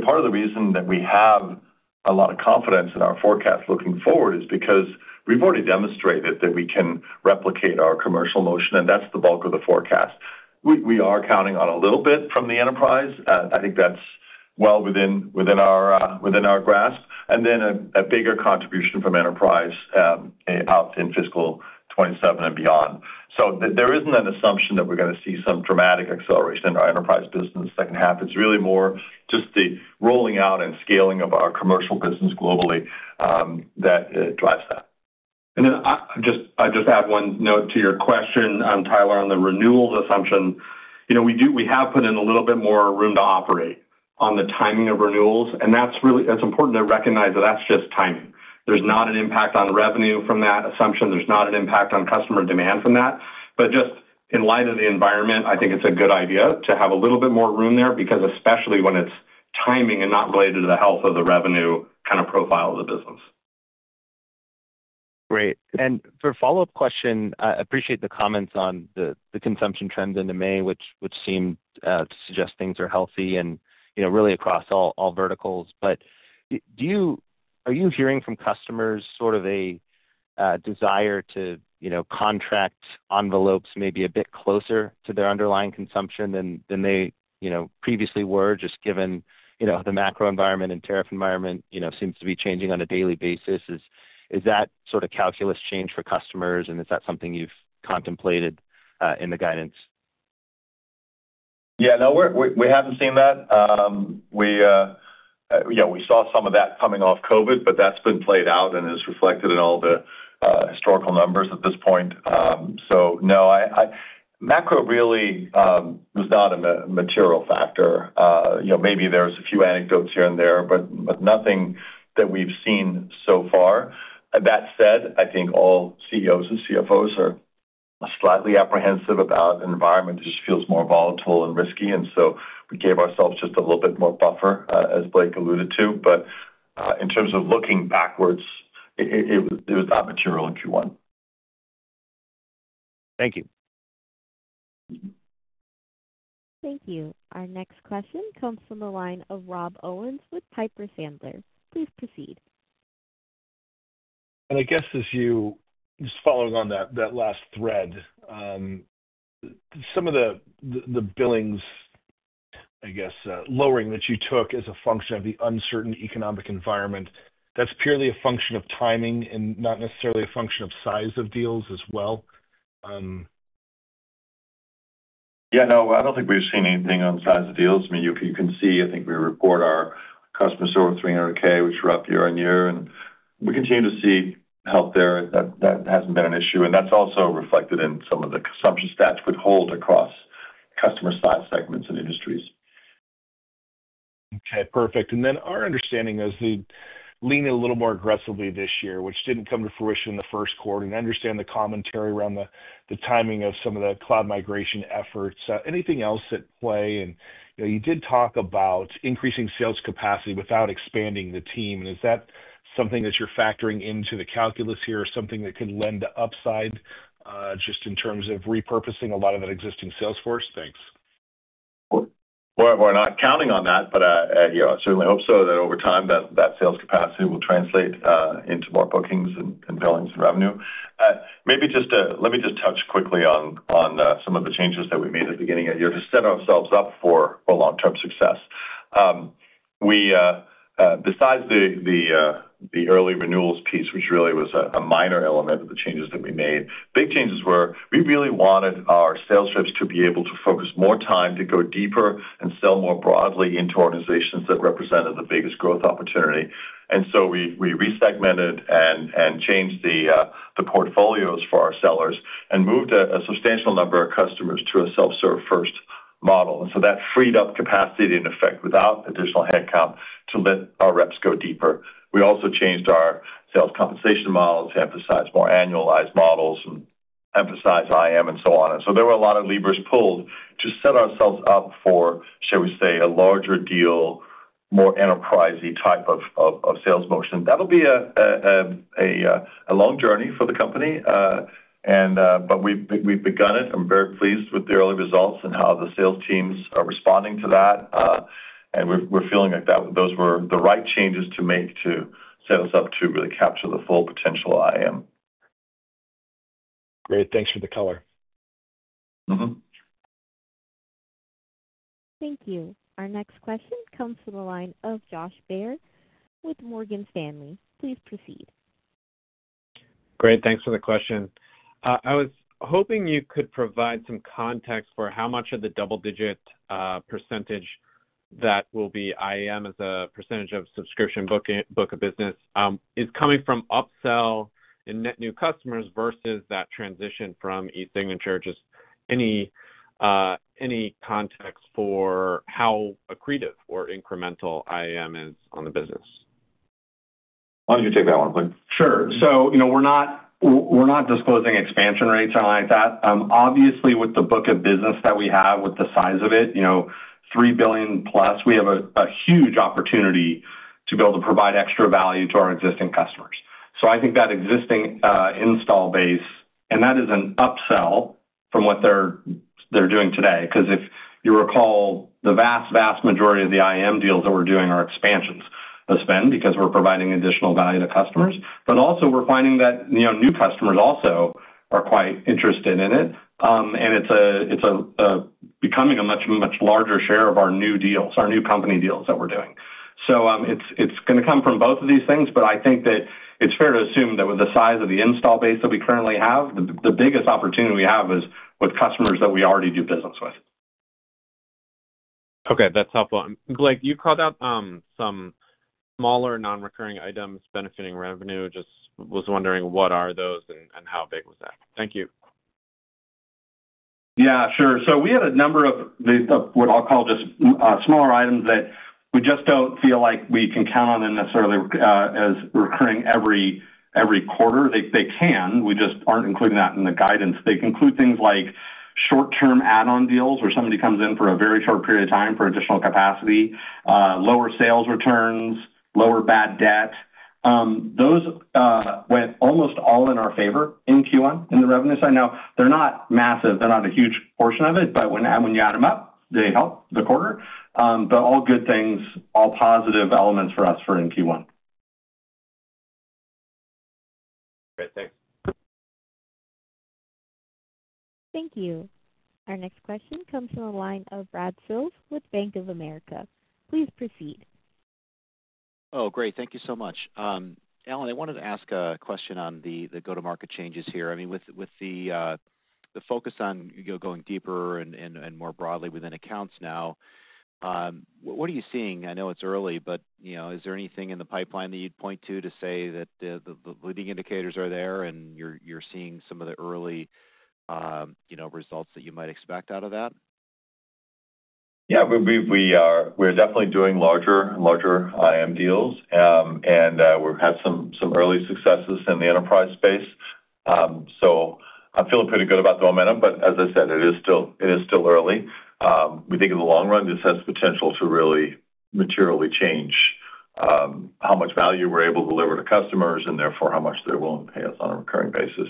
part of the reason that we have a lot of confidence in our forecast looking forward is because we've already demonstrated that we can replicate our commercial motion, and that's the bulk of the forecast. We are counting on a little bit from the enterprise. I think that's well within our grasp. A bigger contribution from enterprise is expected out in Fiscal 2027 and beyond. There isn't an assumption that we're going to see some dramatic acceleration in our enterprise business second half. It's really more just the rolling out and scaling of our commercial business globally that drives that. I'll just add one note to your question, Tyler, on the renewals assumption. We have put in a little bit more room to operate on the timing of renewals, and that's important to recognize that that's just timing. There's not an impact on revenue from that assumption. There's not an impact on customer demand from that. Just in light of the environment, I think it's a good idea to have a little bit more room there because especially when it's timing and not related to the health of the revenue kind of profile of the business. Great. For a follow-up question, I appreciate the comments on the consumption trends into May, which seemed to suggest things are healthy and really across all verticals. Are you hearing from customers sort of a desire to contract envelopes maybe a bit closer to their underlying consumption than they previously were, just given the macro environment and tariff environment seems to be changing on a daily basis? Is that sort of calculus changed for customers, and is that something you've contemplated in the guidance? Yeah, no, we haven't seen that. Yeah, we saw some of that coming off COVID, but that's been played out and is reflected in all the historical numbers at this point. No, macro really was not a material factor. Maybe there's a few anecdotes here and there, but nothing that we've seen so far. That said, I think all CEOs and CFOs are slightly apprehensive about the environment. It just feels more volatile and risky. We gave ourselves just a little bit more buffer, as Blake alluded to. In terms of looking backwards, it was not material in Q1. Thank you. Thank you. Our next question comes from the line of Rob Owens with Piper Sandler. Please proceed. I guess as you just followed on that last thread, some of the billings, I guess, lowering that you took as a function of the uncertain economic environment, that's purely a function of timing and not necessarily a function of size of deals as well? Yeah, no, I do not think we have seen anything on size of deals. I mean, you can see, I think we report our customer store of 300,000, which we are up year on year. We continue to see health there. That hasn't been an issue. That's also reflected in some of the consumption stats we hold across customer-sized segments and industries. Okay, perfect. Our understanding is leaning a little more aggressively this year, which didn't come to fruition in the first quarter. I understand the commentary around the timing of some of the cloud migration efforts. Anything else at play? You did talk about increasing sales capacity without expanding the team. Is that something that you're factoring into the calculus here or something that could lend upside just in terms of repurposing a lot of that existing sales force? Thanks. We're not counting on that, but I certainly hope so that over time, that sales capacity will translate into more bookings and billings and revenue. Maybe just let me just touch quickly on some of the changes that we made at the beginning of the year to set ourselves up for long-term success. Besides the early renewals piece, which really was a minor element of the changes that we made, big changes were we really wanted our sales reps to be able to focus more time to go deeper and sell more broadly into organizations that represented the biggest growth opportunity. We resegmented and changed the portfolios for our sellers and moved a substantial number of customers to a self-serve first model. That freed up capacity in effect without additional headcount to let our reps go deeper. We also changed our sales compensation models to emphasize more annualized models and emphasize IAM and so on. There were a lot of levers pulled to set ourselves up for, shall we say, a larger deal, more enterprise-y type of sales motion. That will be a long journey for the company. We have begun it. I am very pleased with the early results and how the sales teams are responding to that. We are feeling like those were the right changes to make to set us up to really capture the full potential of IAM. Great. Thanks for the color. Thank you. Our next question comes from the line of Josh Baer with Morgan Stanley. Please proceed. Great. Thanks for the question. I was hoping you could provide some context for how much of the double-digit % that will be IAM as a % of subscription book of business is coming from upsell and net new customers versus that transition from e-signature. Just any context for how accretive or incremental IAM is on the business? Why don't you take that one, Blake? Sure. So we're not disclosing expansion rates or anything like that. Obviously, with the book of business that we have, with the size of it, $3 billion plus, we have a huge opportunity to be able to provide extra value to our existing customers. I think that existing install base, and that is an upsell from what they're doing today. Because if you recall, the vast, vast majority of the IAM deals that we're doing are expansions of spend because we're providing additional value to customers. Also, we're finding that new customers also are quite interested in it. It's becoming a much, much larger share of our new deals, our new company deals that we're doing. It's going to come from both of these things, but I think that it's fair to assume that with the size of the install base that we currently have, the biggest opportunity we have is with customers that we already do business with. Okay, that's helpful. Blake, you called out some smaller non-recurring items benefiting revenue. Just was wondering what are those and how big was that? Thank you. Yeah, sure. We had a number of what I'll call just smaller items that we just don't feel like we can count on them necessarily as recurring every quarter. They can. We just aren't including that in the guidance. They include things like short-term add-on deals where somebody comes in for a very short period of time for additional capacity, lower sales returns, lower bad debt. Those went almost all in our favor in Q1 on the revenue side. Now, they're not massive. They're not a huge portion of it, but when you add them up, they help the quarter. All good things, all positive elements for us for in Q1. Okay, thanks. Thank you. Our next question comes from the line of Brad Sills with Bank of America. Please proceed. Oh, great. Thank you so much. Allan, I wanted to ask a question on the go-to-market changes here. I mean, with the focus on going deeper and more broadly within accounts now, what are you seeing? I know it's early, but is there anything in the pipeline that you'd point to to say that the leading indicators are there and you're seeing some of the early results that you might expect out of that? Yeah, we are definitely doing larger and larger IAM deals, and we've had some early successes in the enterprise space. I feel pretty good about the momentum, but as I said, it is still early. We think in the long run, this has potential to really materially change how much value we're able to deliver to customers and therefore how much they're willing to pay us on a recurring basis.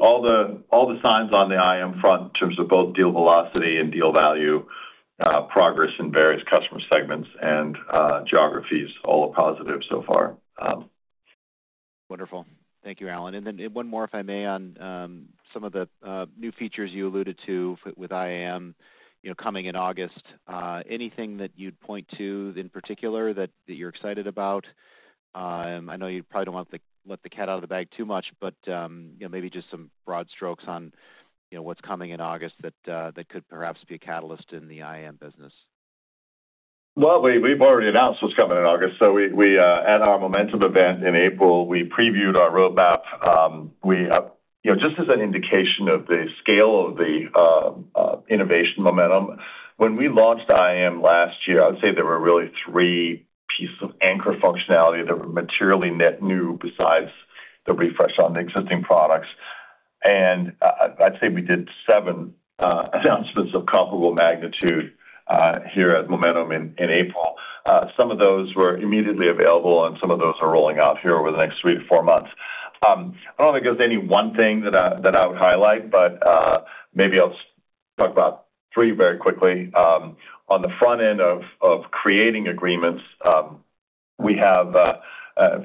All the signs on the IAM front in terms of both deal velocity and deal value progress in various customer segments and geographies all are positive so far. Wonderful. Thank you, Allan. And then one more, if I may, on some of the new features you alluded to with IAM coming in August. Anything that you'd point to in particular that you're excited about? I know you probably don't want to let the cat out of the bag too much, but maybe just some broad strokes on what's coming in August that could perhaps be a catalyst in the IAM business. We have already announced what's coming in August. At our Momentum event in April, we previewed our roadmap. Just as an indication of the scale of the innovation momentum, when we launched IAM last year, I would say there were really three pieces of anchor functionality that were materially net new besides the refresh on the existing products. I would say we did seven announcements of comparable magnitude here at Momentum in April. Some of those were immediately available, and some of those are rolling out here over the next three to four months. I don't think there's any one thing that I would highlight, but maybe I'll talk about three very quickly. On the front end of creating agreements, we have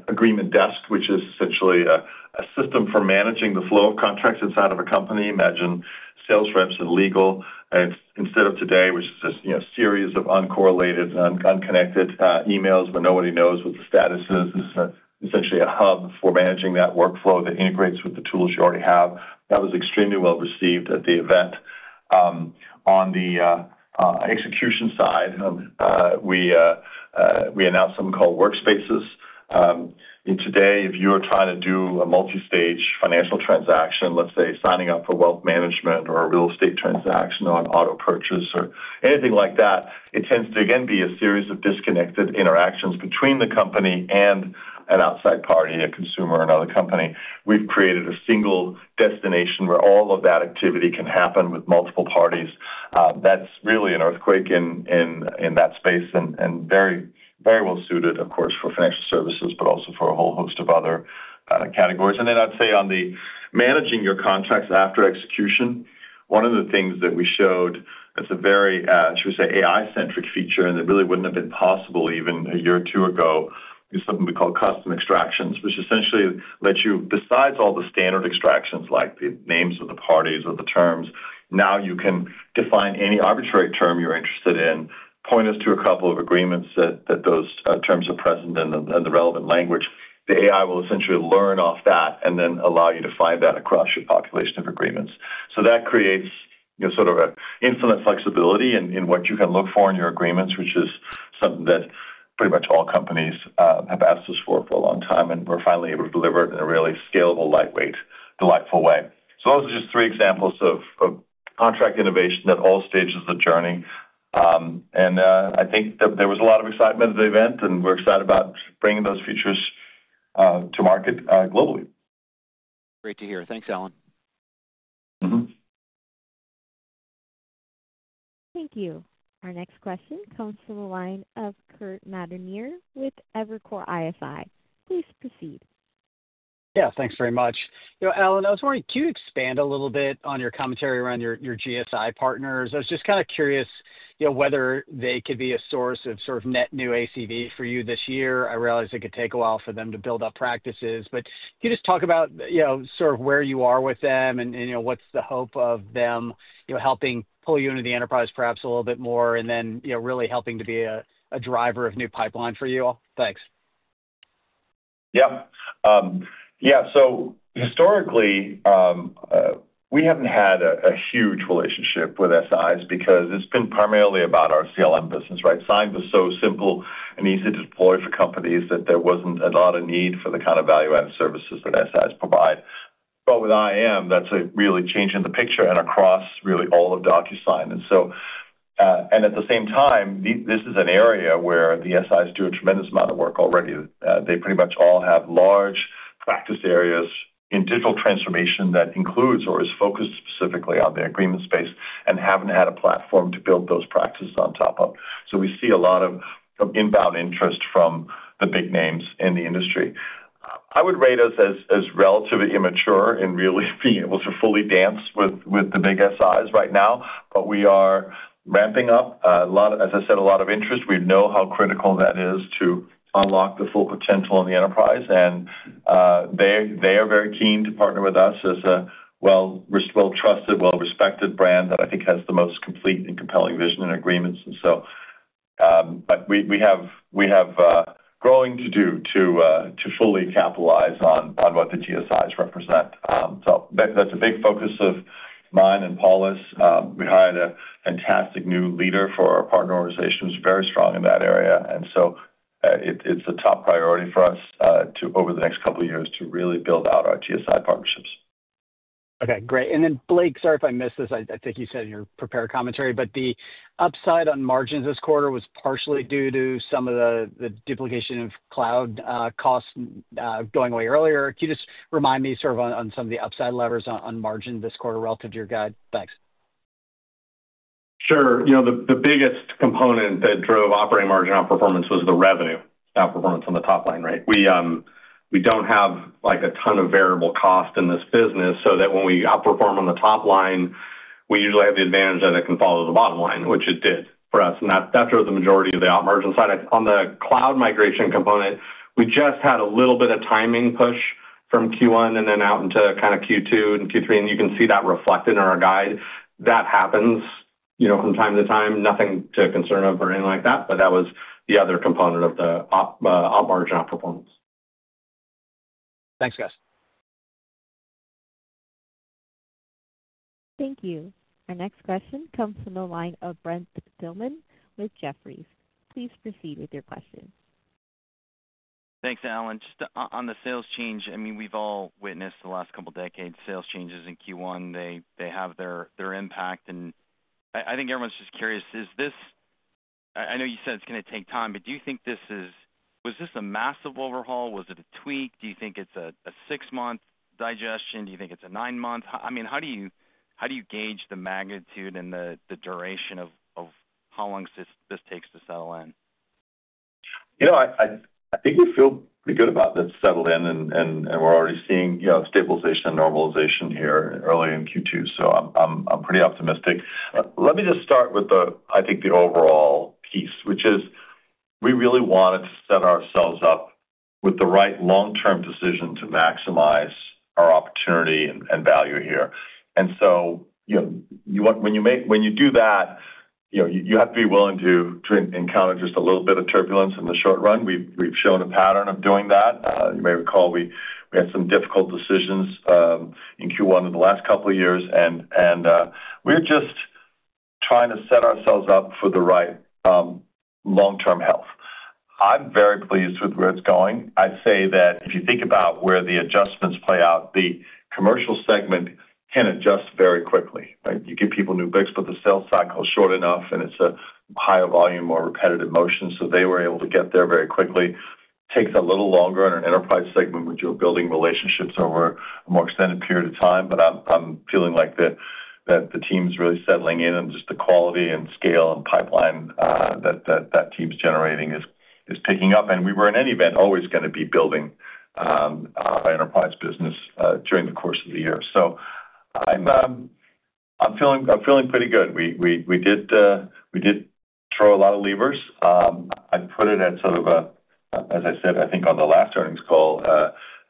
Agreement Desk, which is essentially a system for managing the flow of contracts inside of a company. Imagine sales reps and legal. Instead of today, which is just a series of uncorrelated and unconnected emails where nobody knows what the status is, it's essentially a hub for managing that workflow that integrates with the tools you already have. That was extremely well received at the event. On the execution side, we announced something called Workspaces. Today, if you are trying to do a multi-stage financial transaction, let's say signing up for wealth management or a real estate transaction or auto purchase or anything like that, it tends to again be a series of disconnected interactions between the company and an outside party, a consumer or another company. We've created a single destination where all of that activity can happen with multiple parties. That's really an earthquake in that space and very well suited, of course, for financial services, but also for a whole host of other categories. I'd say on the managing your contracts after execution, one of the things that we showed that's a very, shall we say, AI-centric feature and that really wouldn't have been possible even a year or two ago is something we call custom extractions, which essentially lets you, besides all the standard extractions like the names of the parties or the terms, now you can define any arbitrary term you're interested in, point us to a couple of agreements that those terms are present in the relevant language. The AI will essentially learn off that and then allow you to find that across your population of agreements. That creates sort of infinite flexibility in what you can look for in your agreements, which is something that pretty much all companies have asked us for for a long time, and we're finally able to deliver it in a really scalable, lightweight, delightful way. Those are just three examples of contract innovation at all stages of the journey. I think there was a lot of excitement at the event, and we're excited about bringing those features to market globally. Great to hear. Thanks, Allan. Thank you. Our next question comes from the line of Kirk Materne with Evercore ISI. Please proceed. Yeah, thanks very much. Allan, I was wondering, could you expand a little bit on your commentary around your GSI partners? I was just kind of curious whether they could be a source of sort of net new ACV for you this year. I realize it could take a while for them to build up practices, but could you just talk about sort of where you are with them and what's the hope of them helping pull you into the enterprise perhaps a little bit more and then really helping to be a driver of new pipeline for you all? Thanks. Yep. Yeah. Historically, we haven't had a huge relationship with SIs because it's been primarily about our CLM business, right? Signs are so simple and easy to deploy for companies that there wasn't a lot of need for the kind of value-added services that SIs provide. With IAM, that's a really change in the picture and across really all of DocuSign. At the same time, this is an area where the SIs do a tremendous amount of work already. They pretty much all have large practice areas in digital transformation that includes or is focused specifically on the agreement space and have not had a platform to build those practices on top of. We see a lot of inbound interest from the big names in the industry. I would rate us as relatively immature in really being able to fully dance with the big SIs right now, but we are ramping up, as I said, a lot of interest. We know how critical that is to unlock the full potential in the enterprise. They are very keen to partner with us as a well-trusted, well-respected brand that I think has the most complete and compelling vision in agreements. We have growing to do to fully capitalize on what the GSIs represent. That is a big focus of mine and Paul's. We hired a fantastic new leader for our partner organization. He's very strong in that area. It is a top priority for us over the next couple of years to really build out our GSI partnerships. Okay. Great. Blake, sorry if I missed this. I think you said in your prepared commentary, but the upside on margins this quarter was partially due to some of the duplication of cloud costs going away earlier. Could you just remind me sort of on some of the upside levers on margin this quarter relative to your guide? Thanks. Sure. The biggest component that drove operating margin outperformance was the revenue, outperformance on the top line, right? We don't have a ton of variable cost in this business so that when we outperform on the top line, we usually have the advantage that it can follow the bottom line, which it did for us. That drove the majority of the outmargin side. On the cloud migration component, we just had a little bit of timing push from Q1 and then out into kind of Q2 and Q3. You can see that reflected in our guide. That happens from time to time. Nothing to concern of or anything like that, but that was the other component of the outmargin outperformance. Thanks, guys. Thank you. Our next question comes from the line of Brent Thill with Jefferies. Please proceed with your question. Thanks, Allan. Just on the sales change, I mean, we've all witnessed the last couple of decades' sales changes in Q1. They have their impact. I think everyone's just curious, is this—I know you said it's going to take time, but do you think this is—was this a massive overhaul? Was it a tweak? Do you think it's a six-month digestion? Do you think it's a nine-month? I mean, how do you gauge the magnitude and the duration of how long this takes to settle in? I think we feel pretty good about the settle in, and we're already seeing stabilization and normalization here early in Q2. I'm pretty optimistic. Let me just start with, I think, the overall piece, which is we really wanted to set ourselves up with the right long-term decision to maximize our opportunity and value here. When you do that, you have to be willing to encounter just a little bit of turbulence in the short run. We've shown a pattern of doing that. You may recall we had some difficult decisions in Q1 in the last couple of years, and we're just trying to set ourselves up for the right long-term health. I'm very pleased with where it's going. I'd say that if you think about where the adjustments play out, the commercial segment can adjust very quickly, right? You give people new books, but the sales cycle is short enough, and it's a higher volume, more repetitive motion. They were able to get there very quickly. It takes a little longer in an enterprise segment, which you're building relationships over a more extended period of time. I'm feeling like the team's really settling in, and just the quality and scale and pipeline that that team's generating is picking up. We were, in any event, always going to be building our enterprise business during the course of the year. I'm feeling pretty good. We did throw a lot of levers. I'd put it at sort of a, as I said, I think on the last earnings call,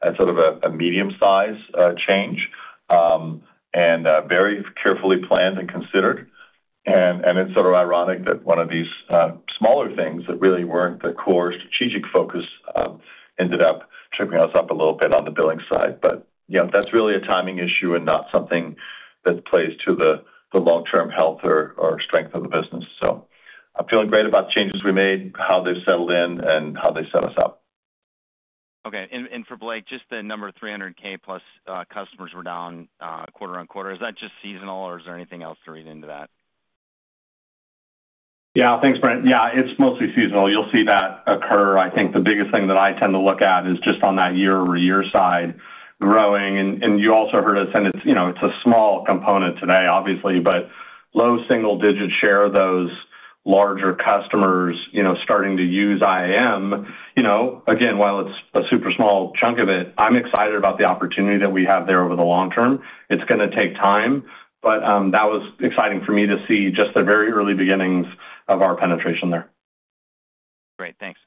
at sort of a medium-sized change and very carefully planned and considered. It's sort of ironic that one of these smaller things that really were not the core strategic focus ended up tripping us up a little bit on the billing side. That's really a timing issue and not something that plays to the long-term health or strength of the business. I'm feeling great about the changes we made, how they've settled in, and how they set us up. Okay. For Blake, just the number of 300,000 plus customers were down quarter on quarter. Is that just seasonal, or is there anything else to read into that? Yeah. Thanks, Brent. Yeah, it's mostly seasonal. You'll see that occur. I think the biggest thing that I tend to look at is just on that year-over-year side growing. You also heard us, and it's a small component today, obviously, but low single-digit share of those larger customers starting to use IAM. Again, while it's a super small chunk of it, I'm excited about the opportunity that we have there over the long term. It's going to take time, but that was exciting for me to see just the very early beginnings of our penetration there. Great. Thanks.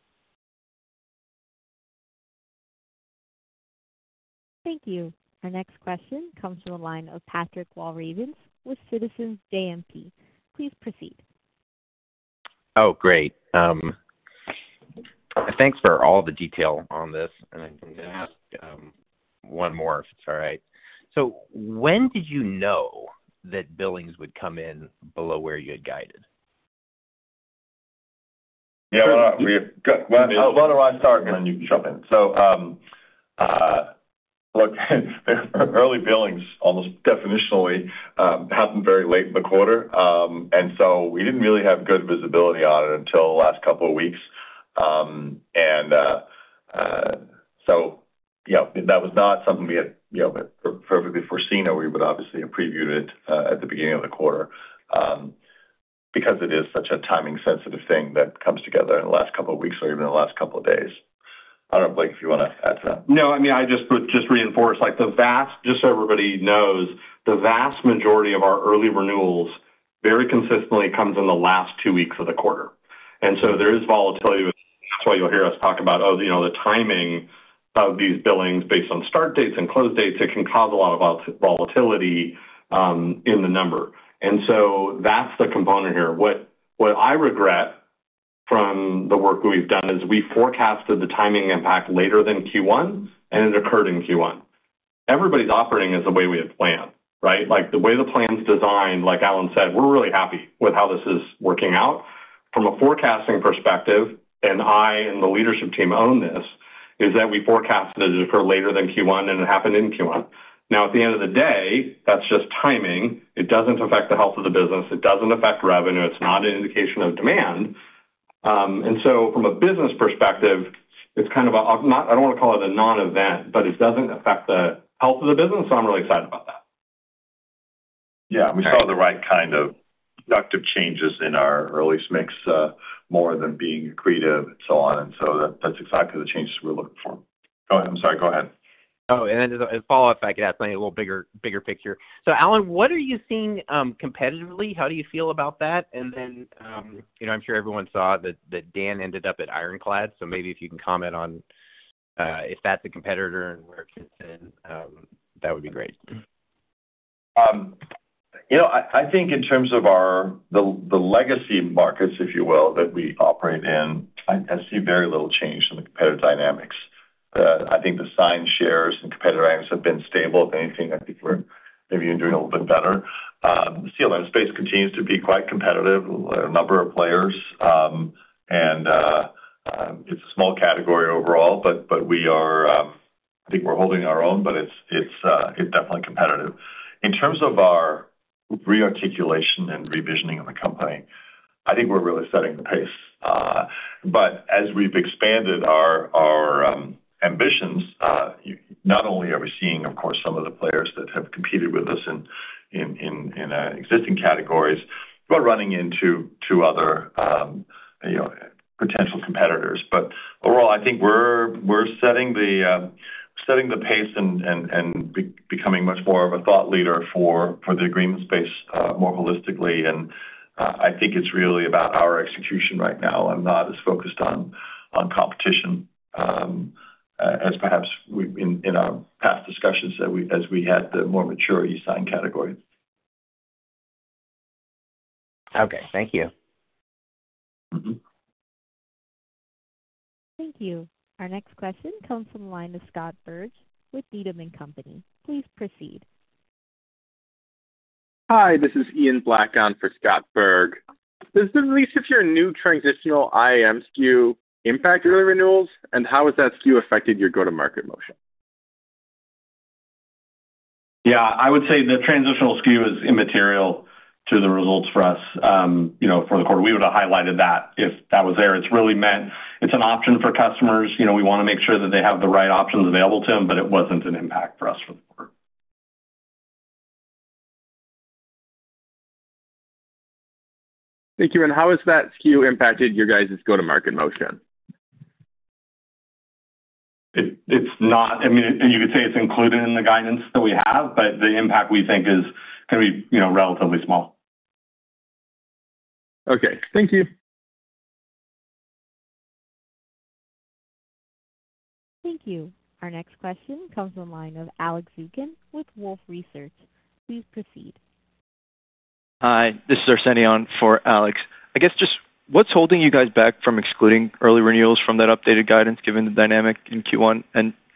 Thank you. Our next question comes from the line of Patrick Walravens with Citizens JMP. Please proceed. Oh, great. Thanks for all the detail on this. I can ask one more if it's all right. When did you know that billings would come in below where you had guided? Yeah. Let me start when you jump in. Look, early billings almost definitionally happened very late in the quarter. We did not really have good visibility on it until the last couple of weeks. That was not something we had perfectly foreseen, or we would obviously have previewed it at the beginning of the quarter because it is such a timing-sensitive thing that comes together in the last couple of weeks or even the last couple of days. I do not know, Blake, if you want to add to that. No, I mean, I just would just reinforce the vast, just so everybody knows, the vast majority of our early renewals very consistently comes in the last two weeks of the quarter. There is volatility. That is why you will hear us talk about, oh, the timing of these billings based on start dates and close dates. It can cause a lot of volatility in the number. That's the component here. What I regret from the work we've done is we forecasted the timing impact later than Q1, and it occurred in Q1. Everybody's operating as the way we had planned, right? The way the plan's designed, like Allan said, we're really happy with how this is working out. From a forecasting perspective, and I and the leadership team own this, is that we forecasted it to occur later than Q1, and it happened in Q1. At the end of the day, that's just timing. It doesn't affect the health of the business. It doesn't affect revenue. It's not an indication of demand. From a business perspective, it's kind of a—I don't want to call it a non-event, but it doesn't affect the health of the business. I'm really excited about that. Yeah. We saw the right kind of productive changes in our early mix more than being accretive and so on. That is exactly the changes we are looking for. Go ahead. I'm sorry. Go ahead. Oh, and as a follow-up, if I could add something a little bigger picture. Allan, what are you seeing competitively? How do you feel about that? I'm sure everyone saw that Dan ended up at Ironclad. Maybe if you can comment on if that is a competitor and where it fits in, that would be great. I think in terms of the legacy markets, if you will, that we operate in, I see very little change in the competitive dynamics. I think the sign shares and competitive dynamics have been stable. If anything, I think we are maybe even doing a little bit better. The CLM space continues to be quite competitive. There are a number of players, and it's a small category overall, but I think we're holding our own, but it's definitely competitive. In terms of our rearticulation and revisioning of the company, I think we're really setting the pace. As we've expanded our ambitions, not only are we seeing, of course, some of the players that have competed with us in existing categories, we're running into other potential competitors. Overall, I think we're setting the pace and becoming much more of a thought leader for the agreement space more holistically. I think it's really about our execution right now and not as focused on competition as perhaps in our past discussions as we had the more mature e-sign category. Okay. Thank you. Thank you. Our next question comes from the line of Scott Berg with Needham & Company. Please proceed. Hi. This is Ian Black on for Scott Berg. This is at least if you're a new transitional IAM SKU impact early renewals, and how has that SKU affected your go-to-market motion? Yeah. I would say the transitional SKU is immaterial to the results for us for the quarter. We would have highlighted that if that was there. It's really meant it's an option for customers. We want to make sure that they have the right options available to them, but it wasn't an impact for us for the quarter. Thank you. And how has that SKU impacted your guys' go-to-market motion? I mean, you could say it's included in the guidance that we have, but the impact we think is going to be relatively small. Okay. Thank you. Thank you. Our next question comes from the line of Alex Zukin with Wolfe Research. Please proceed. Hi. This is Arsenio for Alex. I guess just what's holding you guys back from excluding early renewals from that updated guidance given the dynamic in Q1?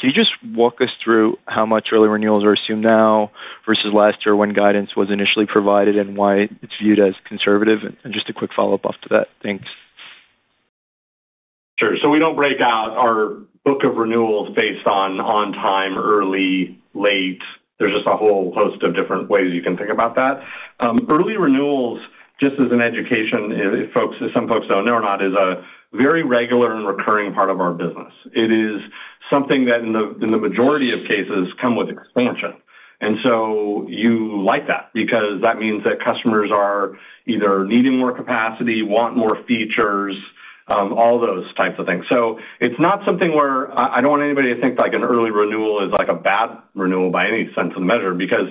Can you just walk us through how much early renewals are assumed now versus last year when guidance was initially provided and why it's viewed as conservative? Just a quick follow-up off to that. Thanks. Sure. We don't break out our book of renewals based on on-time, early, late. There's just a whole host of different ways you can think about that. Early renewals, just as an education, some folks don't know or not, is a very regular and recurring part of our business. It is something that, in the majority of cases, comes with expansion. You like that because that means that customers are either needing more capacity, want more features, all those types of things. It's not something where I don't want anybody to think an early renewal is a bad renewal by any sense of the measure because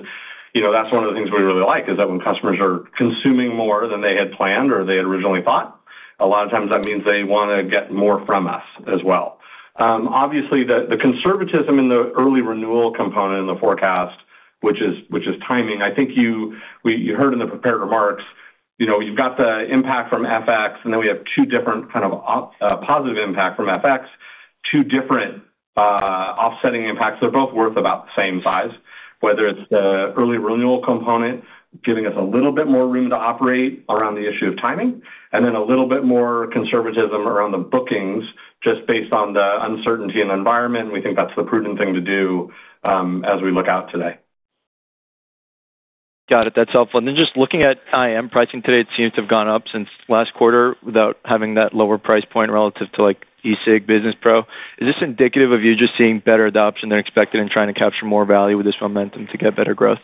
that's one of the things we really like is that when customers are consuming more than they had planned or they had originally thought, a lot of times that means they want to get more from us as well. Obviously, the conservatism in the early renewal component in the forecast, which is timing, I think you heard in the prepared remarks, you've got the impact from FX, and then we have two different kinds of positive impacts from FX, two different offsetting impacts. They're both worth about the same size, whether it's the early renewal component giving us a little bit more room to operate around the issue of timing, and then a little bit more conservatism around the bookings just based on the uncertainty in the environment. We think that's the prudent thing to do as we look out today. Got it. That's helpful. And then just looking at IAM pricing today, it seems to have gone up since last quarter without having that lower price point relative to e-signature business pro. Is this indicative of you just seeing better adoption than expected and trying to capture more value with this momentum to get better growth?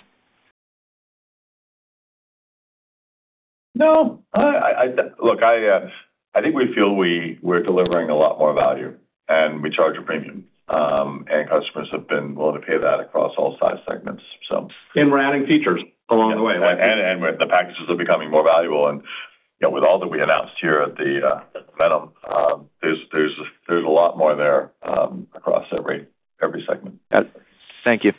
No. Look, I think we feel we're delivering a lot more value, and we charge a premium. And customers have been willing to pay that across all size segments, so. We're adding features along the way. The packages are becoming more valuable. With all that we announced here at the event, there's a lot more there across every segment. Thank you.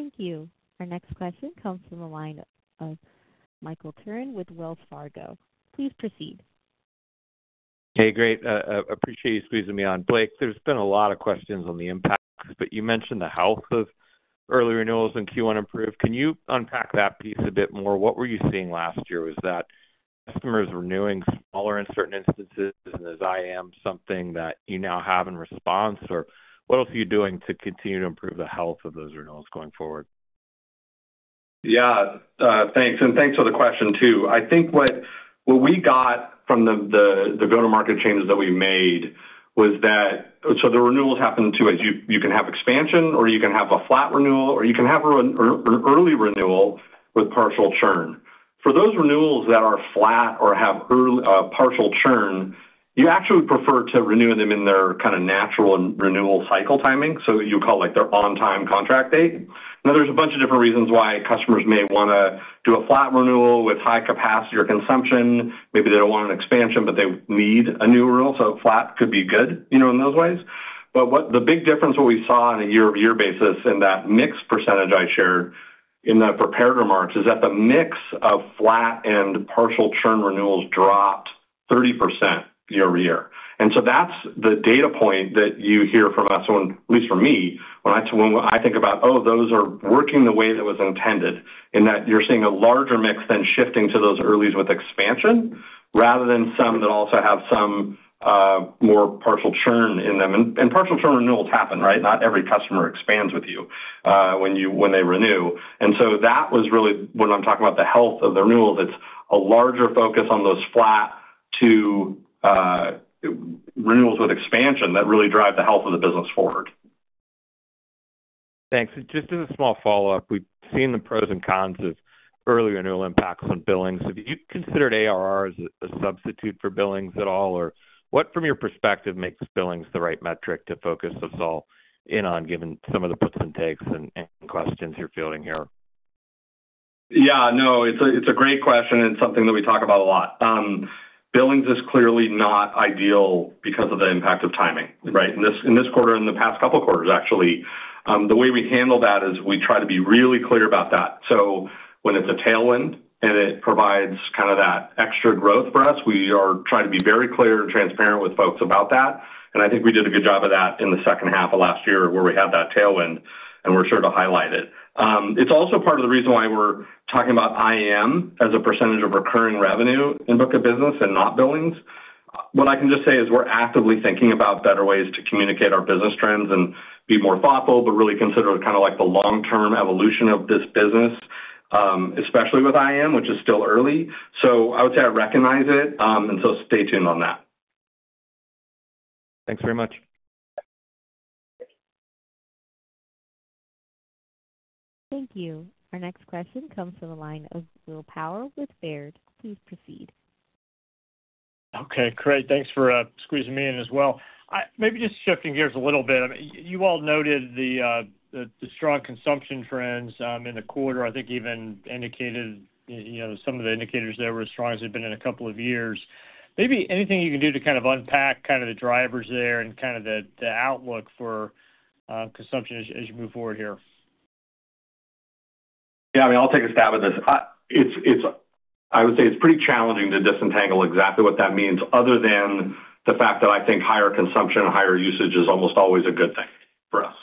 Thank you. Our next question comes from the line of Michael Turrin with Wells Fargo. Please proceed. Hey, great. Appreciate you squeezing me on. Blake, there's been a lot of questions on the impact, but you mentioned the health of early renewals in Q1 improved. Can you unpack that piece a bit more? What were you seeing last year? Was that customers renewing smaller in certain instances and is IAM something that you now have in response? Or what else are you doing to continue to improve the health of those renewals going forward? Yeah. Thanks. Thanks for the question too. I think what we got from the go-to-market changes that we made was that the renewals happen too, as you can have expansion, or you can have a flat renewal, or you can have an early renewal with partial churn. For those renewals that are flat or have partial churn, you actually would prefer to renew them in their kind of natural renewal cycle timing. You call it their on-time contract date. Now, there are a bunch of different reasons why customers may want to do a flat renewal with high capacity or consumption. Maybe they do not want an expansion, but they need a new renewal. Flat could be good in those ways. The big difference, what we saw on a year-over-year basis in that mix percentage I shared in the prepared remarks, is that the mix of flat and partial churn renewals dropped 30% year-over-year. That is the data point that you hear from us, at least from me, when I think about, "Oh, those are working the way that was intended," in that you are seeing a larger mix then shifting to those earlys with expansion rather than some that also have some more partial churn in them. Partial churn renewals happen, right? Not every customer expands with you when they renew. That was really when I am talking about the health of the renewals. It is a larger focus on those flat to renewals with expansion that really drive the health of the business forward. Thanks. Just as a small follow-up, we have seen the pros and cons of early renewal impacts on billings. Have you considered ARR as a substitute for billings at all? Or what, from your perspective, makes billings the right metric to focus us all in on, given some of the puts and takes and questions you're fielding here? Yeah. No, it's a great question, and it's something that we talk about a lot. Billings is clearly not ideal because of the impact of timing, right? In this quarter, in the past couple of quarters, actually, the way we handle that is we try to be really clear about that. When it's a tailwind and it provides kind of that extra growth for us, we are trying to be very clear and transparent with folks about that. I think we did a good job of that in the second half of last year where we had that tailwind, and we're sure to highlight it. It's also part of the reason why we're talking about IAM as a percentage of recurring revenue in book of business and not billings. What I can just say is we're actively thinking about better ways to communicate our business trends and be more thoughtful, but really consider kind of the long-term evolution of this business, especially with IAM, which is still early. I would say I recognize it, and stay tuned on that. Thanks very much. Thank you. Our next question comes from the line of Will Power with Baird. Please proceed. Okay. Great. Thanks for squeezing me in as well. Maybe just shifting gears a little bit. You all noted the strong consumption trends in the quarter. I think even indicated some of the indicators there were as strong as they've been in a couple of years. Maybe anything you can do to kind of unpack kind of the drivers there and kind of the outlook for consumption as you move forward here? Yeah. I mean, I'll take a stab at this. I would say it's pretty challenging to disentangle exactly what that means other than the fact that I think higher consumption and higher usage is almost always a good thing for us.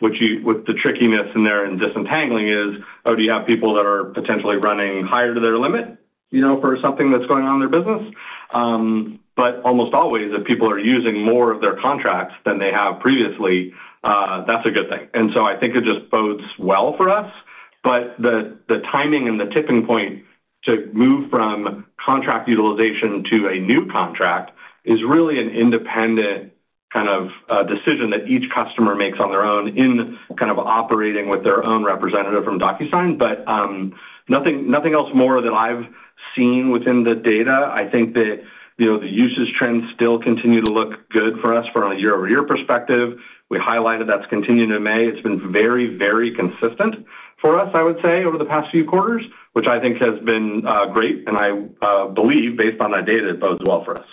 The trickiness in there in disentangling is, oh, do you have people that are potentially running higher to their limit for something that's going on in their business? Almost always, if people are using more of their contracts than they have previously, that's a good thing. I think it just bodes well for us. The timing and the tipping point to move from contract utilization to a new contract is really an independent kind of decision that each customer makes on their own in kind of operating with their own representative from DocuSign. Nothing else more that I've seen within the data. I think that the usage trends still continue to look good for us from a year-over-year perspective. We highlighted that's continued in May. It's been very, very consistent for us, I would say, over the past few quarters, which I think has been great. I believe, based on that data, it bodes well for us.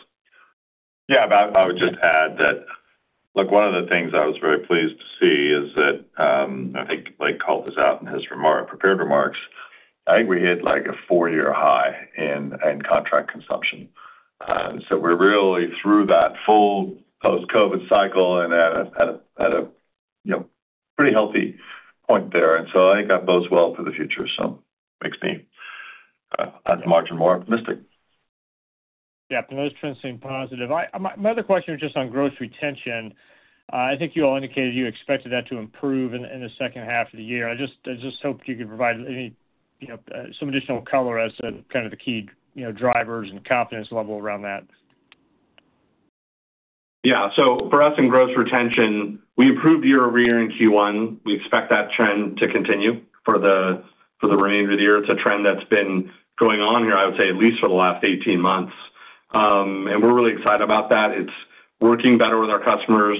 Yeah. I would just add that, look, one of the things I was very pleased to see is that I think Blake called this out in his prepared remarks. I think we hit a four-year high in contract consumption. We're really through that full post-COVID cycle and at a pretty healthy point there. I think that bodes well for the future, so it makes me at the margin more optimistic. Yeah. Those trends seem positive. My other question was just on gross retention. I think you all indicated you expected that to improve in the second half of the year. I just hope you could provide some additional color as to kind of the key drivers and confidence level around that. Yeah. For us in gross retention, we improved year-over-year in Q1. We expect that trend to continue for the remainder of the year. It's a trend that's been going on here, I would say, at least for the last 18 months. We're really excited about that. It's working better with our customers,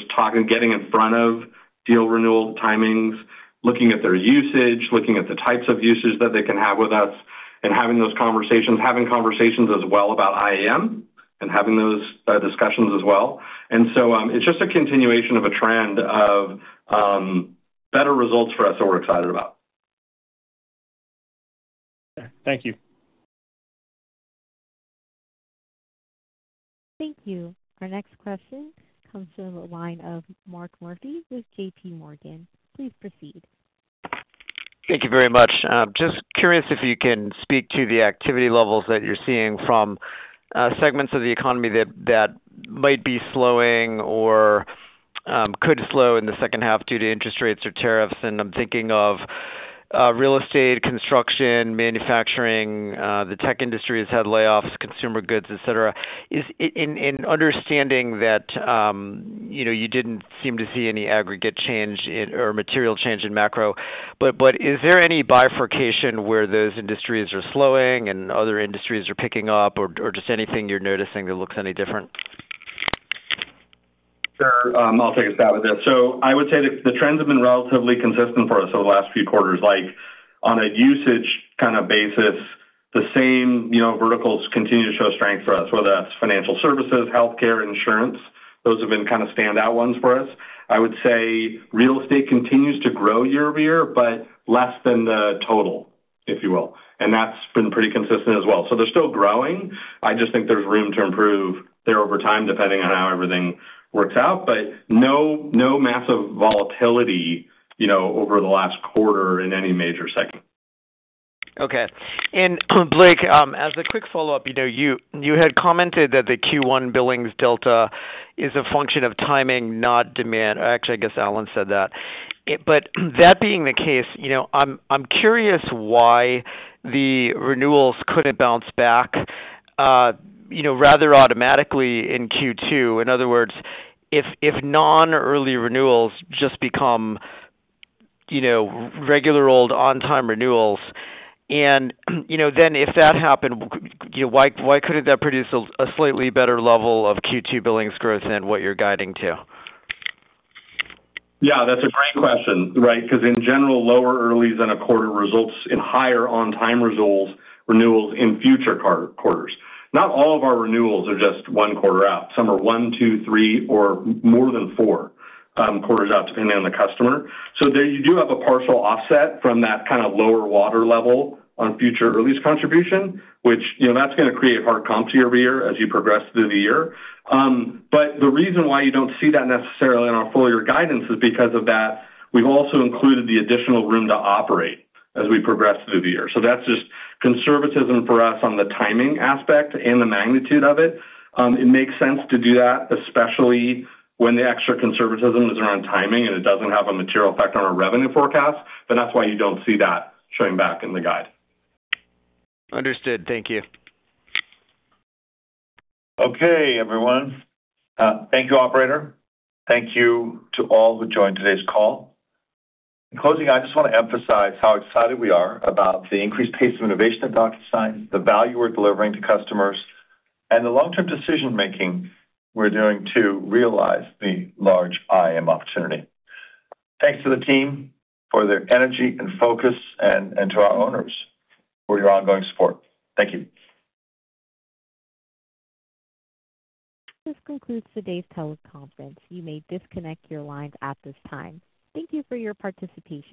getting in front of deal renewal timings, looking at their usage, looking at the types of usage that they can have with us, and having those conversations, having conversations as well about IAM and having those discussions as well. It's just a continuation of a trend of better results for us that we're excited about. Thank you. Thank you. Our next question comes from the line of Mark Murphy with JPMorgan. Please proceed. Thank you very much. Just curious if you can speak to the activity levels that you're seeing from segments of the economy that might be slowing or could slow in the second half due to interest rates or tariffs. I'm thinking of real estate, construction, manufacturing. The tech industry has had layoffs, consumer goods, etc. In understanding that you didn't seem to see any aggregate change or material change in macro, but is there any bifurcation where those industries are slowing and other industries are picking up, or just anything you're noticing that looks any different? Sure. I'll take a stab at this. I would say the trends have been relatively consistent for us over the last few quarters. On a usage kind of basis, the same verticals continue to show strength for us, whether that's financial services, healthcare, insurance. Those have been kind of standout ones for us. I would say real estate continues to grow year-over-year, but less than the total, if you will. That has been pretty consistent as well. They're still growing. I just think there's room to improve there over time depending on how everything works out, but no massive volatility over the last quarter in any major segment. Okay. Blake, as a quick follow-up, you had commented that the Q1 billings delta is a function of timing, not demand. Actually, I guess Allan said that. That being the case, I'm curious why the renewals could not bounce back rather automatically in Q2. In other words, if non-early renewals just become regular old on-time renewals, and then if that happened, why could that not produce a slightly better level of Q2 billings growth than what you're guiding to? Yeah. That's a great question, right? Because in general, lower earlys in a quarter results in higher on-time renewals in future quarters. Not all of our renewals are just one quarter out. Some are one, two, three, or more than four quarters out depending on the customer. You do have a partial offset from that kind of lower water level on future earlys contribution, which is going to create hard comps year-over-year as you progress through the year. The reason why you do not see that necessarily in our full-year guidance is because we have also included the additional room to operate as we progress through the year. That is just conservatism for us on the timing aspect and the magnitude of it. It makes sense to do that, especially when the extra conservatism is around timing and it does not have a material effect on our revenue forecast. That is why you do not see that showing back in the guide. Understood. Thank you. Okay, everyone. Thank you, operator. Thank you to all who joined today's call. In closing, I just want to emphasize how excited we are about the increased pace of innovation at DocuSign, the value we're delivering to customers, and the long-term decision-making we're doing to realize the large IAM opportunity. Thanks to the team for their energy and focus, and to our owners for your ongoing support. Thank you. This concludes today's teleconference. You may disconnect your lines at this time. Thank you for your participation.